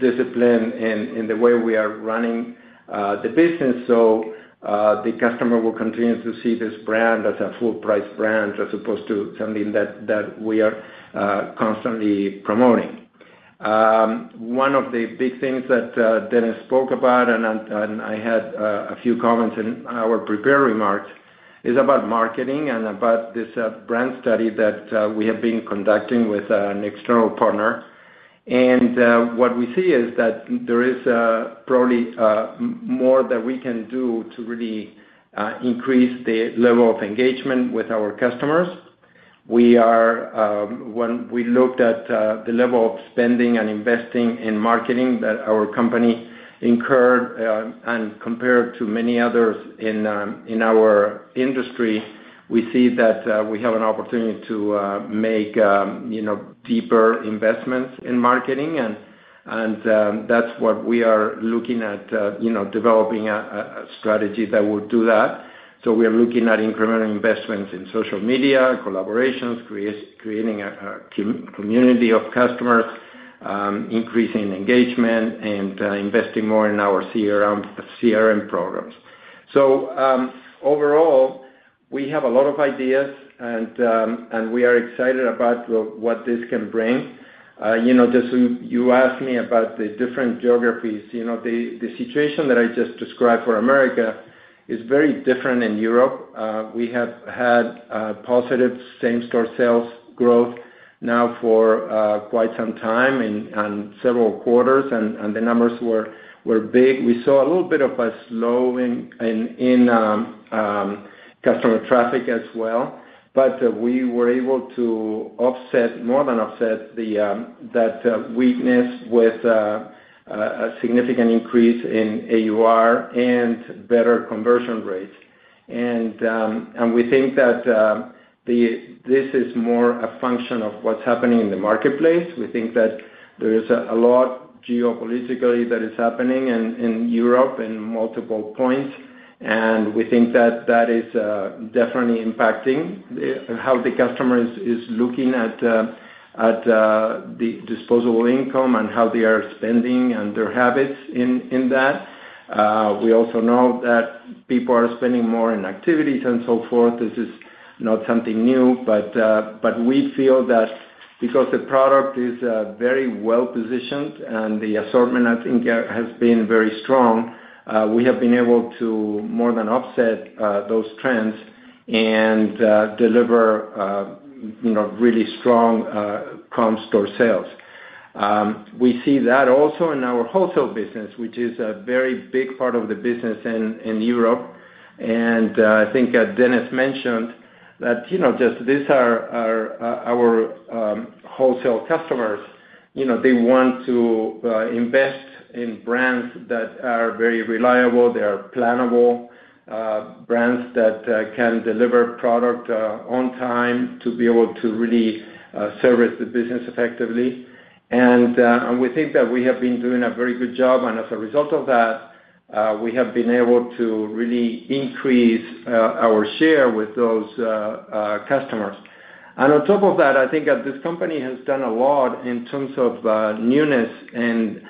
discipline in the way we are running the business. So the customer will continue to see this brand as a full-price brand, as opposed to something that we are constantly promoting. One of the big things that Dennis spoke about, and I had a few comments in our prepared remarks, is about marketing and about this brand study that we have been conducting with an external partner. What we see is that there is probably more that we can do to really increase the level of engagement with our customers. We are. When we looked at the level of spending and investing in marketing that our company incurred and compared to many others in our industry, we see that we have an opportunity to make, you know, deeper investments in marketing. That's what we are looking at, you know, developing a strategy that would do that. We are looking at incremental investments in social media, collaborations, creating a community of customers, increasing engagement, and investing more in our CRM programs. Overall, we have a lot of ideas, and we are excited about what this can bring. You know, just you asked me about the different geographies. You know, the situation that I just described for America is very different in Europe. We have had positive same-store sales growth now for quite some time and several quarters, and the numbers were big. We saw a little bit of a slow in customer traffic as well, but we were able to offset, more than offset that weakness with a significant increase in AUR and better conversion rates. And we think that this is more a function of what's happening in the marketplace. We think that there is a lot geopolitically that is happening in Europe, in multiple points, and we think that that is definitely impacting how the customer is looking at the disposable income and how they are spending and their habits in that. We also know that people are spending more in activities and so forth. This is not something new, but we feel that because the product is very well-positioned and the assortment, I think, has been very strong, we have been able to more than offset those trends and deliver, you know, really strong comp store sales. We see that also in our wholesale business, which is a very big part of the business in Europe. And, I think, as Dennis mentioned, that, you know, just these are our wholesale customers. You know, they want to invest in brands that are very reliable, they are plannable, brands that can deliver product on time to be able to really service the business effectively. And, and we think that we have been doing a very good job, and as a result of that, we have been able to really increase our share with those customers. And on top of that, I think that this company has done a lot in terms of newness and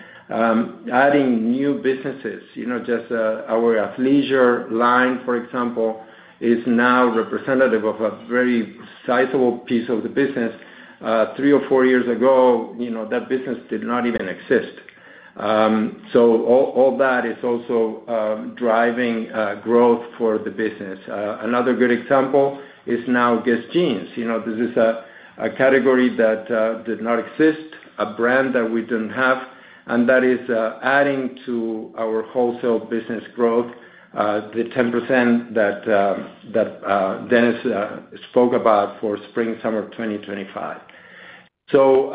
adding new businesses. You know, just our athleisure line, for example, is now representative of a very sizable piece of the business. Three or four years ago, you know, that business did not even exist. So all that is also driving growth for the business. Another good example is now Guess Jeans. You know, this is a category that did not exist, a brand that we didn't have, and that is adding to our wholesale business growth, the 10% that Dennis spoke about for Spring/Summer 2025. So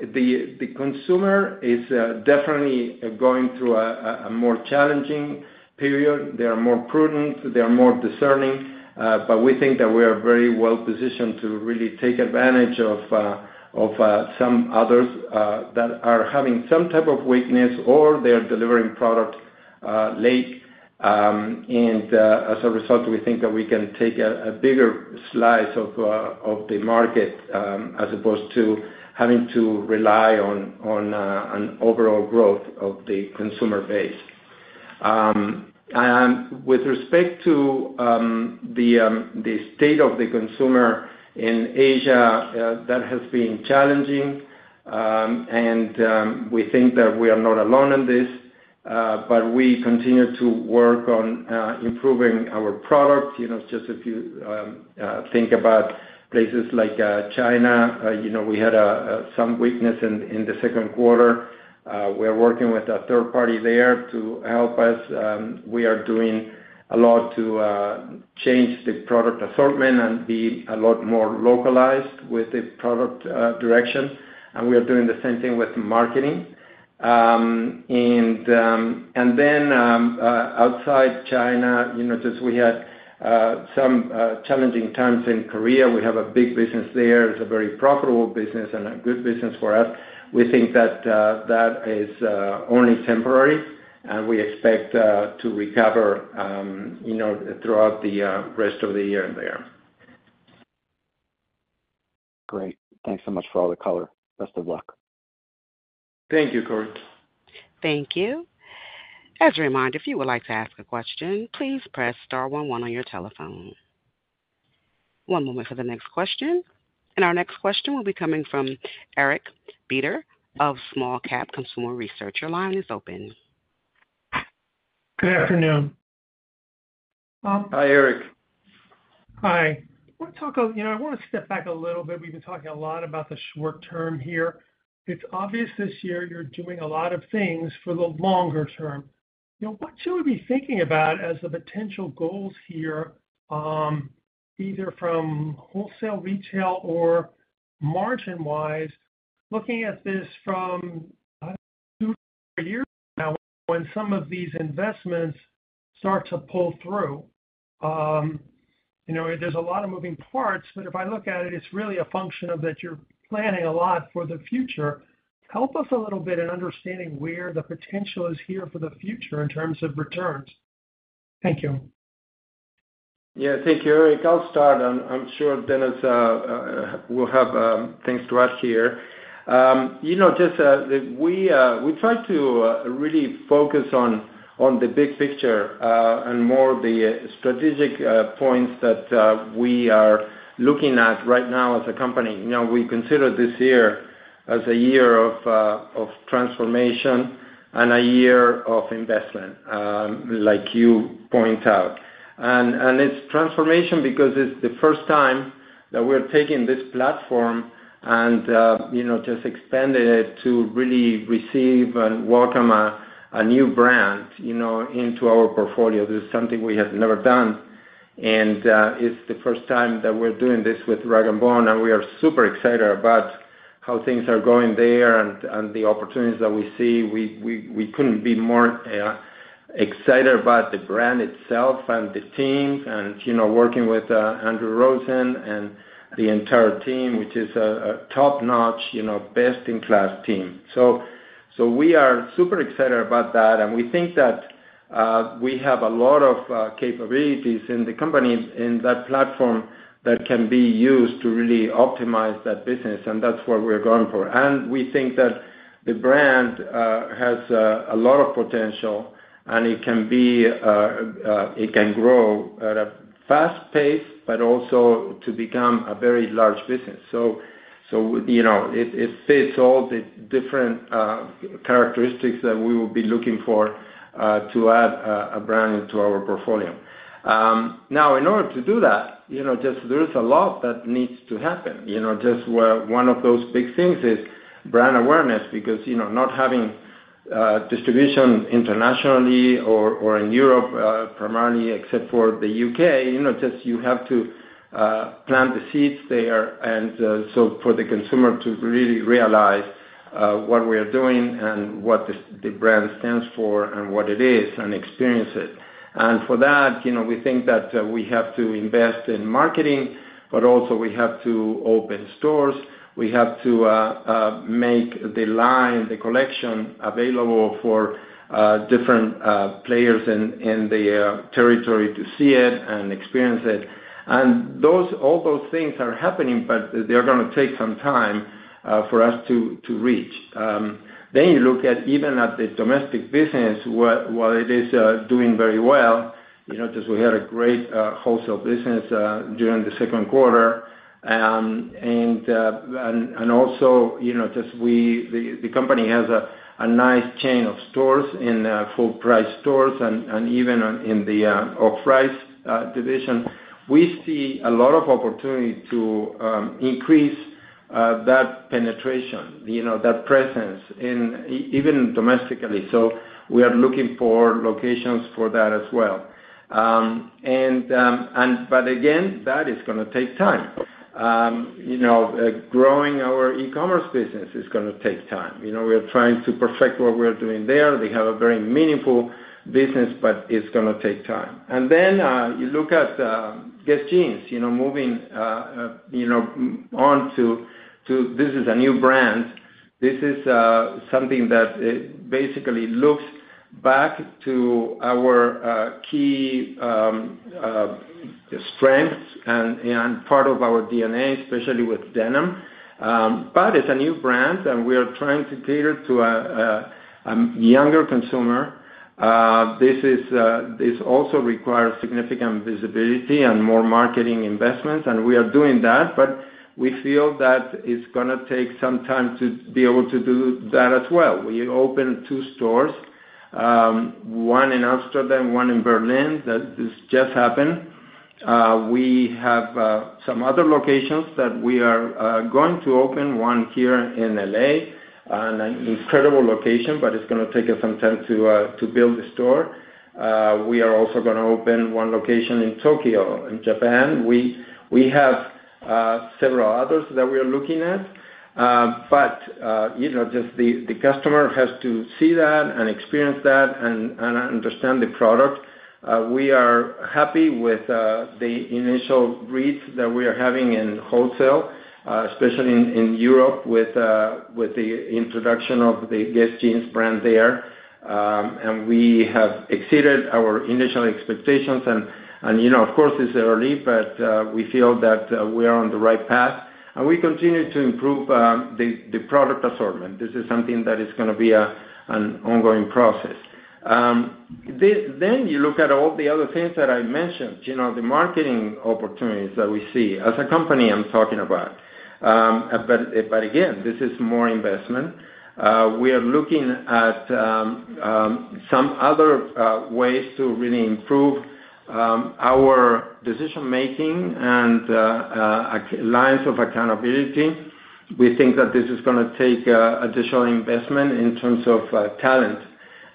the consumer is definitely going through a more challenging period. They are more prudent, they are more discerning, but we think that we are very well-positioned to really take advantage of some others that are having some type of weakness or they are delivering product late. And, as a result, we think that we can take a bigger slice of the market, as opposed to having to rely on an overall growth of the consumer base. And with respect to the state of the consumer in Asia, that has been challenging. And we think that we are not alone in this, but we continue to work on improving our product. You know, just if you think about places like China, you know, we had some weakness in the second quarter. We are working with a third party there to help us. We are doing a lot to change the product assortment and be a lot more localized with the product direction, and we are doing the same thing with marketing. And then outside China, you know, just we had some challenging times in Korea. We have a big business there. It's a very profitable business and a good business for us. We think that that is only temporary, and we expect to recover, you know, throughout the rest of the year there. Great. Thanks so much for all the color. Best of luck. Thank you, Corey. Thank you. As a reminder, if you would like to ask a question, please press star one one on your telephone. One moment for the next question, and our next question will be coming from Eric Beder of Small Cap Consumer Research. Your line is open. Good afternoon. Hi, Eric. Hi. I want to talk. You know, I want to step back a little bit. We've been talking a lot about the short term here. It's obvious this year you're doing a lot of things for the longer term. You know, what should we be thinking about as the potential goals here, either from wholesale, retail or margin wise, looking at this from, two years now, when some of these investments start to pull through? You know, there's a lot of moving parts, but if I look at it, it's really a function of that you're planning a lot for the future. Help us a little bit in understanding where the potential is here for the future in terms of returns. Thank you. Yeah, thank you, Eric. I'll start, and I'm sure Dennis will have things to add here. You know, just we try to really focus on the big picture and more the strategic points that we are looking at right now as a company. You know, we consider this year as a year of transformation and a year of investment, like you point out. It's transformation because it's the first time that we're taking this platform and you know, just expanding it to really receive and welcome a new brand, you know, into our portfolio. This is something we have never done, and it's the first time that we're doing this with rag & bone, and we are super excited about how things are going there and the opportunities that we see. We couldn't be more excited about the brand itself and the team and, you know, working with Andrew Rosen and the entire team, which is a top-notch, you know, best-in-class team. So we are super excited about that, and we think that we have a lot of capabilities in the company, in that platform that can be used to really optimize that business, and that's what we're going for. And we think that the brand has a lot of potential, and it can grow at a fast pace, but also to become a very large business. So, you know, it fits all the different characteristics that we will be looking for to add a brand into our portfolio. Now, in order to do that, you know, just there is a lot that needs to happen. You know, just where one of those big things is brand awareness, because, you know, not having distribution internationally or in Europe primarily, except for the UK, you know, just you have to plant the seeds there. And so for the consumer to really realize what we are doing and what the brand stands for and what it is and experience it. And for that, you know, we think that we have to invest in marketing, but also we have to open stores. We have to make the line, the collection available for different players in the territory to see it and experience it, and all those things are happening, but they're gonna take some time for us to reach. Then you look at even the domestic business, where, while it is doing very well, you know, just we had a great wholesale business during the second quarter. And also, you know, just the company has a nice chain of stores in full-price stores and even in the off-price division. We see a lot of opportunity to increase that penetration, you know, that presence in even domestically. So we are looking for locations for that as well. But again, that is gonna take time. You know, growing our e-commerce business is gonna take time. You know, we are trying to perfect what we're doing there. We have a very meaningful business, but it's gonna take time. And then you look at Guess Jeans, you know, moving on to... This is a new brand. This is something that basically looks back to our key strengths and part of our DNA, especially with denim. But it's a new brand, and we are trying to cater to a younger consumer. This also requires significant visibility and more marketing investments, and we are doing that, but we feel that it's gonna take some time to be able to do that as well. We opened two stores, one in Amsterdam, one in Berlin. That has just happened. We have some other locations that we are going to open, one here in LA, and an incredible location, but it's gonna take us some time to build the store. We are also gonna open one location in Tokyo, in Japan. We have several others that we are looking at. But you know, just the customer has to see that and experience that and understand the product. We are happy with the initial reach that we are having in wholesale, especially in Europe with the introduction of the Guess Jeans brand there. And we have exceeded our initial expectations, and, you know, of course, it's early, but we feel that we are on the right path, and we continue to improve the product assortment. This is something that is gonna be an ongoing process. Then you look at all the other things that I mentioned, you know, the marketing opportunities that we see as a company, I'm talking about. But again, this is more investment. We are looking at some other ways to really improve our decision making and lines of accountability. We think that this is gonna take additional investment in terms of talent.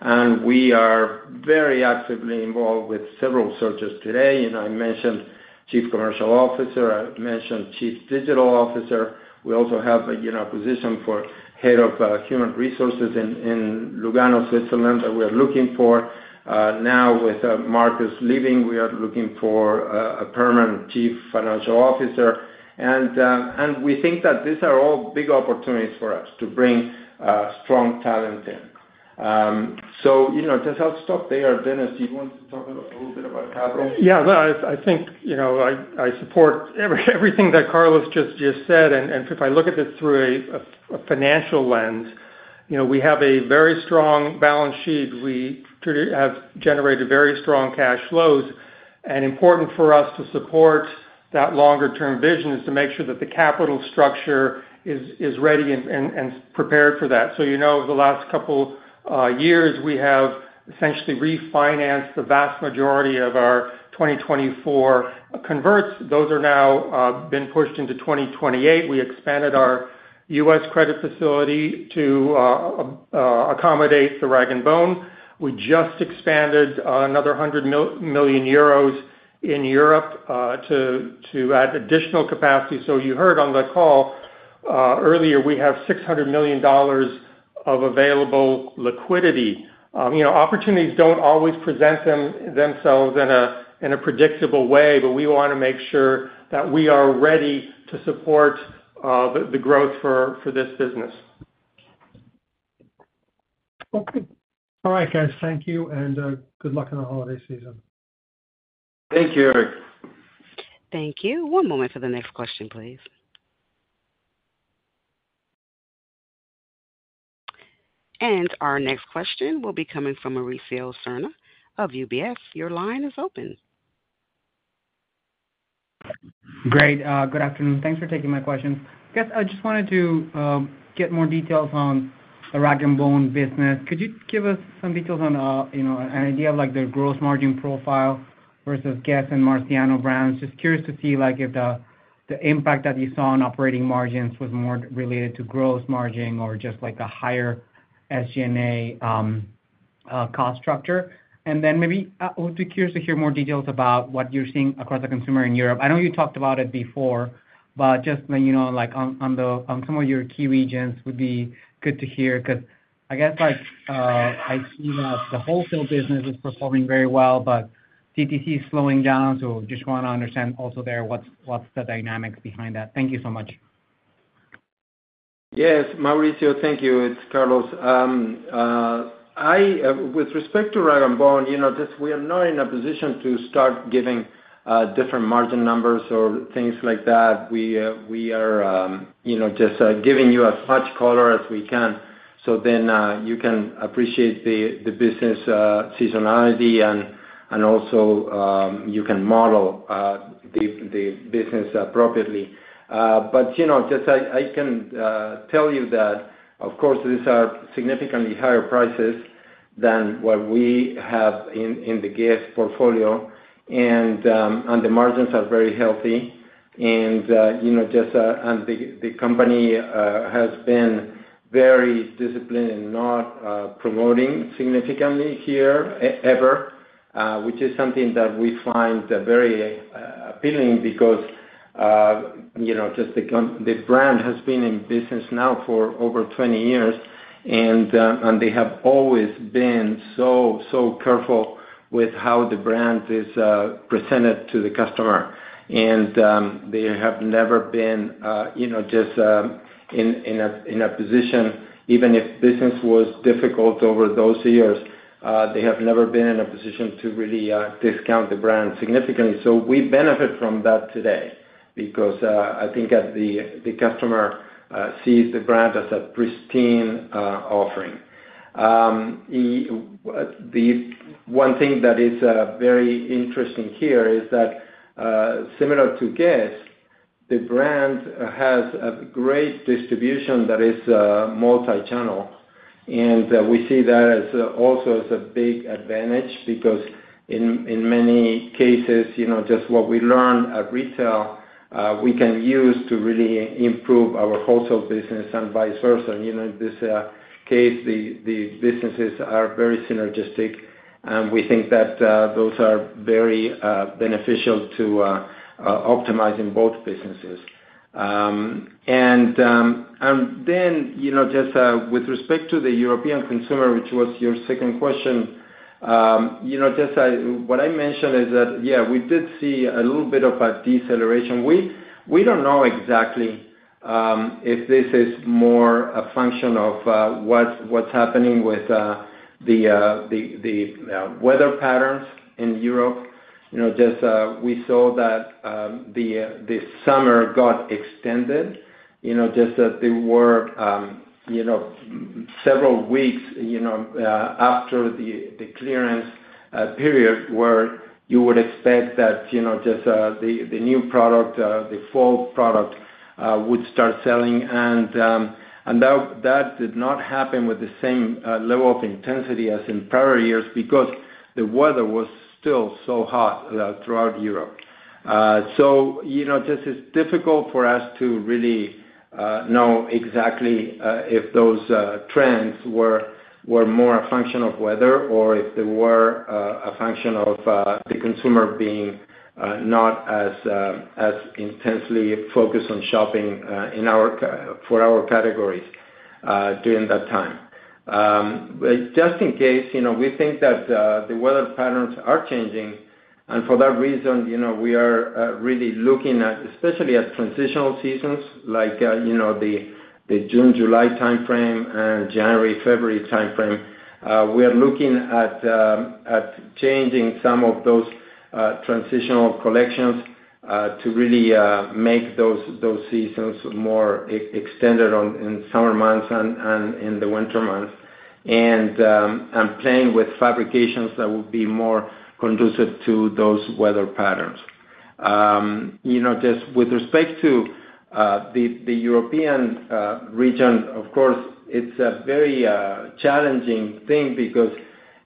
And we are very actively involved with several searches today. You know, I mentioned chief commercial officer, I mentioned chief digital officer. We also have a, you know, position for head of human resources in Lugano, Switzerland, that we are looking for. Now, with Markus leaving, we are looking for a permanent Chief Financial Officer, and we think that these are all big opportunities for us to bring strong talent in. So, you know, just I'll stop there. Dennis, do you want to talk a little bit about capital? Yeah, no, I think, you know, I support everything that Carlos just said, and if I look at this through a financial lens, you know, we have a very strong balance sheet. We have generated very strong cash flows, and important for us to support that longer term vision is to make sure that the capital structure is ready and prepared for that, so you know, the last couple years, we have essentially refinanced the vast majority of our 2024 converts. Those are now been pushed into 2028. We expanded our U.S. credit facility to accommodate the rag & bone. We just expanded another 100 million euros in Europe to add additional capacity. So you heard on the call earlier, we have $600 million of available liquidity. You know, opportunities don't always present themselves in a predictable way, but we wanna make sure that we are ready to support the growth for this business. Okay. All right, guys, thank you, and good luck on the holiday season. Thank you, Eric. Thank you. One moment for the next question, please. And our next question will be coming from Mauricio Serna of UBS. Your line is open. Great, good afternoon. Thanks for taking my questions. Guess I just wanted to get more details on the rag & bone business. Could you give us some details on, you know, an idea of, like, the gross margin profile versus Guess and Marciano brands? Just curious to see, like, if the impact that you saw on operating margins was more related to gross margin or just, like, a higher SG&A cost structure. And then maybe also curious to hear more details about what you're seeing across the consumer in Europe. I know you talked about it before, but just letting you know, like, on some of your key regions would be good to hear, 'cause I guess, like, I see that the wholesale business is performing very well, but DTC is slowing down, so just wanna understand also there what's the dynamics behind that. Thank you so much. Yes, Mauricio, thank you. It's Carlos. With respect to rag & bone, you know, just we are not in a position to start giving different margin numbers or things like that. We, we are, you know, just giving you as much color as we can, so then you can appreciate the business seasonality, and also you can model the business appropriately. But, you know, just I can tell you that, of course, these are significantly higher prices than what we have in the Guess portfolio, and the margins are very healthy. You know, just, and the company has been very disciplined in not promoting significantly here ever, which is something that we find very appealing because, you know, just the brand has been in business now for over twenty years, and they have always been so careful with how the brand is presented to the customer. They have never been, you know, just, in a position, even if business was difficult over those years, to really discount the brand significantly. We benefit from that today because I think as the customer sees the brand as a pristine offering. The one thing that is very interesting here is that similar to Guess, the brand has a great distribution that is multi-channel. And we see that as also as a big advantage, because in many cases, you know, just what we learn at retail, we can use to really improve our wholesale business and vice versa. You know, in this case, the businesses are very synergistic, and we think that those are very beneficial to optimizing both businesses. And then, you know, just with respect to the European consumer, which was your second question, you know, just what I mentioned is that, yeah, we did see a little bit of a deceleration. We don't know exactly if this is more a function of what's happening with the weather patterns in Europe. You know, just, we saw that the summer got extended, you know, just that there were, you know, several weeks, you know, after the clearance period, where you would expect that, you know, just the new product, the fall product would start selling. And that did not happen with the same level of intensity as in prior years, because the weather was still so hot throughout Europe. So, you know, just it's difficult for us to really know exactly if those trends were more a function of weather or if they were a function of the consumer being not as intensely focused on shopping in our categories during that time. But just in case, you know, we think that the weather patterns are changing, and for that reason, you know, we are really looking at, especially at transitional seasons, like, you know, the June, July timeframe and January, February timeframe. We are looking at changing some of those transitional collections to really make those seasons more extended on in summer months and in the winter months. Playing with fabrications that will be more conducive to those weather patterns. You know, just with respect to the European region, of course, it's a very challenging thing because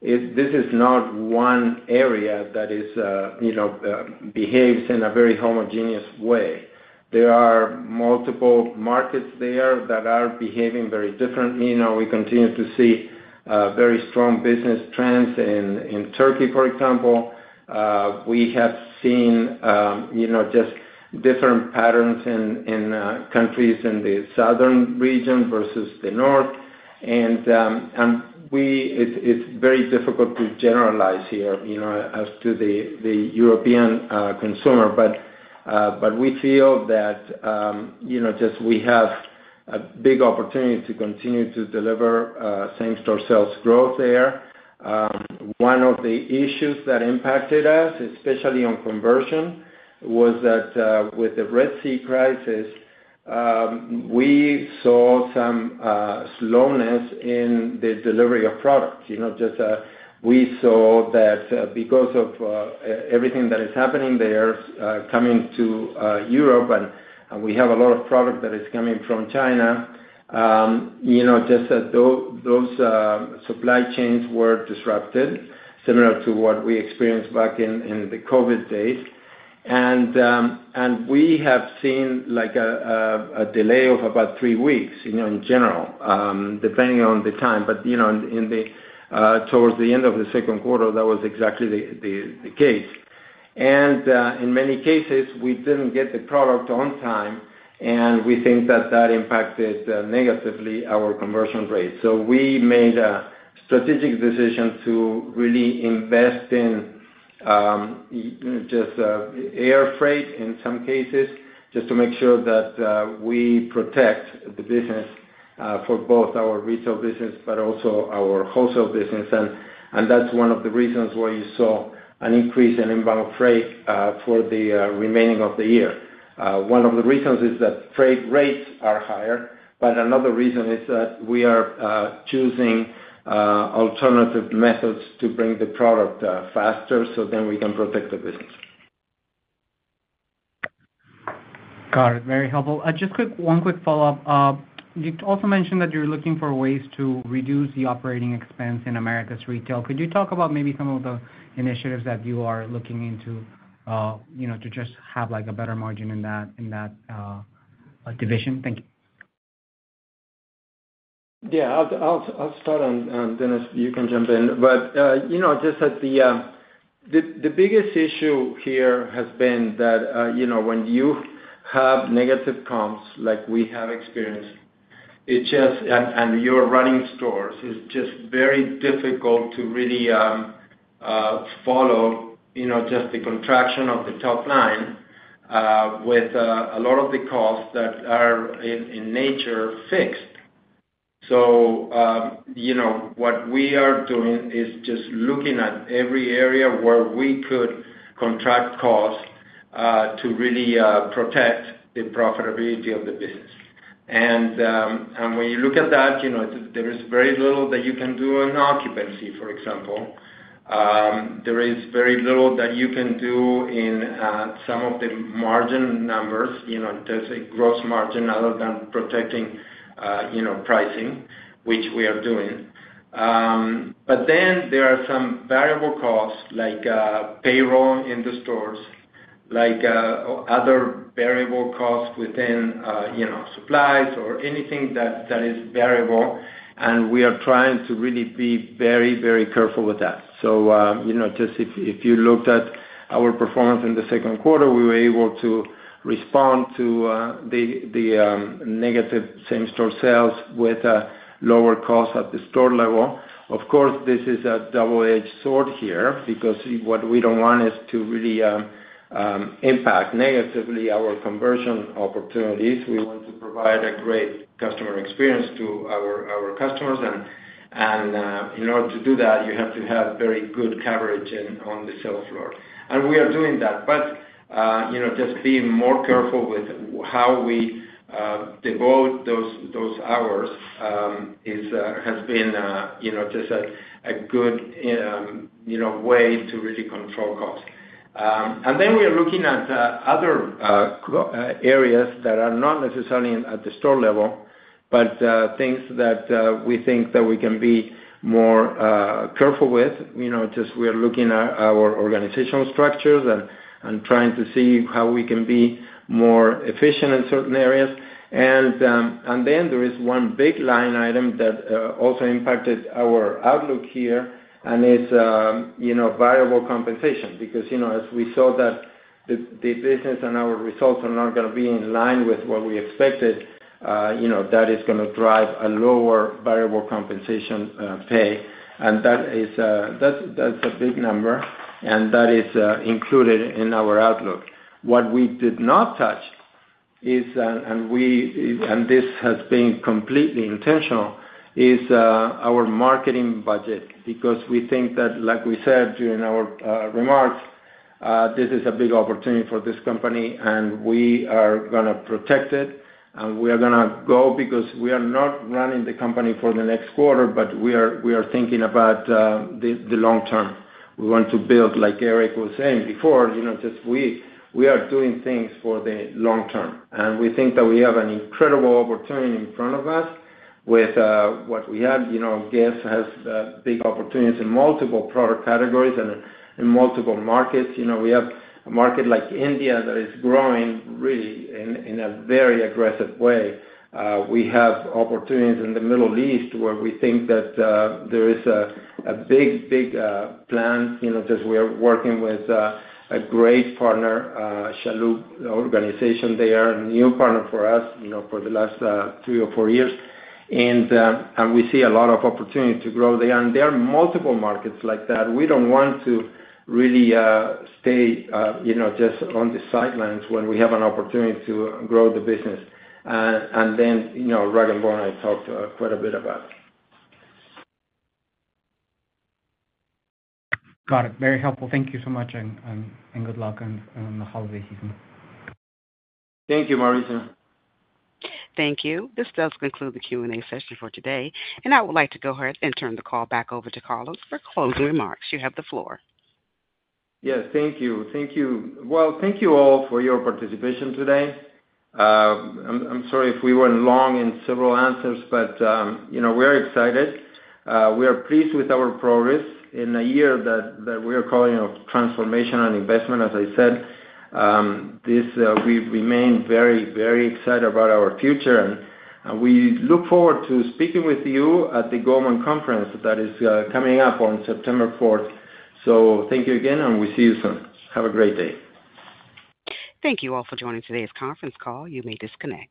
this is not one area that is, you know, behaves in a very homogeneous way. There are multiple markets there that are behaving very differently. You know, we continue to see very strong business trends in Turkey, for example. We have seen, you know, just different patterns in countries in the southern region versus the north. It is very difficult to generalize here, you know, as to the European consumer. But we feel that, you know, just we have a big opportunity to continue to deliver same-store sales growth there. One of the issues that impacted us, especially on conversion, was that, with the Red Sea crisis, we saw some slowness in the delivery of products. You know, just we saw that because of everything that is happening there, coming to Europe, and we have a lot of product that is coming from China, you know, just that those supply chains were disrupted, similar to what we experienced back in the COVID days. And we have seen, like, a delay of about three weeks, you know, in general, depending on the time. But you know, towards the end of the second quarter, that was exactly the case. And, in many cases, we didn't get the product on time, and we think that that impacted negatively our conversion rate. So we made a strategic decision to really invest in just air freight in some cases, just to make sure that we protect the business for both our retail business, but also our wholesale business. And, and that's one of the reasons why you saw an increase in inbound freight for the remaining of the year. One of the reasons is that freight rates are higher, but another reason is that we are choosing alternative methods to bring the product faster, so then we can protect the business. Got it. Very helpful. Just quick, one quick follow-up. You also mentioned that you're looking for ways to reduce the operating expense in Americas Retail. Could you talk about maybe some of the initiatives that you are looking into, you know, to just have, like, a better margin in that, in that division? Thank you. Yeah, I'll start on, and Dennis, you can jump in. But you know, just at the biggest issue here has been that you know, when you have negative comps, like we have experienced, it just and you're running stores, it's just very difficult to really follow you know, just the contraction of the top line with a lot of the costs that are in nature, fixed. So you know, what we are doing is just looking at every area where we could contract costs to really protect the profitability of the business. And when you look at that, you know, there is very little that you can do on occupancy, for example. There is very little that you can do in some of the margin numbers, you know, just a gross margin other than protecting, you know, pricing, which we are doing. But then there are some variable costs, like payroll in the stores, like other variable costs within, you know, supplies or anything that is variable, and we are trying to really be very, very careful with that. So, you know, just if you looked at our performance in the second quarter, we were able to respond to the negative same-store sales with a lower cost at the store level. Of course, this is a double-edged sword here, because what we don't want is to really impact negatively our conversion opportunities. We want to provide a great customer experience to our customers, and in order to do that, you have to have very good coverage on the sales floor. And we are doing that, but you know, just being more careful with how we devote those hours has been you know, just a good way to really control costs. And then we are looking at other areas that are not necessarily at the store level, but things that we think that we can be more careful with. You know, just we are looking at our organizational structures and trying to see how we can be more efficient in certain areas. And then there is one big line item that also impacted our outlook here, and it's, you know, variable compensation. Because, you know, as we saw that the business and our results are not gonna be in line with what we expected, you know, that is gonna drive a lower variable compensation pay. And that is, that's a big number, and that is included in our outlook. What we did not touch is, and this has been completely intentional, is our marketing budget. Because we think that, like we said during our remarks, this is a big opportunity for this company, and we are gonna protect it, and we are gonna go because we are not running the company for the next quarter, but we are thinking about the long term. We want to build, like Eric was saying before, you know, just we are doing things for the long term, and we think that we have an incredible opportunity in front of us with what we have. You know, Guess has big opportunities in multiple product categories and in multiple markets. You know, we have a market like India that is growing really in a very aggressive way. We have opportunities in the Middle East, where we think that there is a big plan. You know, just we are working with a great partner, Chalhoub Group. They are a new partner for us, you know, for the last three or four years. And we see a lot of opportunity to grow there, and there are multiple markets like that. We don't want to really stay, you know, just on the sidelines when we have an opportunity to grow the business. And then, you know, rag & bone, I talked quite a bit about. Got it. Very helpful. Thank you so much, and good luck on the holiday season. Thank you, Mauricio. Thank you. This does conclude the Q&A session for today, and I would like to go ahead and turn the call back over to Carlos for closing remarks. You have the floor. Yes. Thank you. Thank you. Well, thank you all for your participation today. I'm sorry if we were long in several answers, but, you know, we are excited. We are pleased with our progress in a year that we are calling a transformation and investment, as I said. We remain very, very excited about our future, and we look forward to speaking with you at the Goldman Sachs conference that is coming up on September fourth. So thank you again, and we'll see you soon. Have a great day. Thank you all for joining today's conference call. You may disconnect.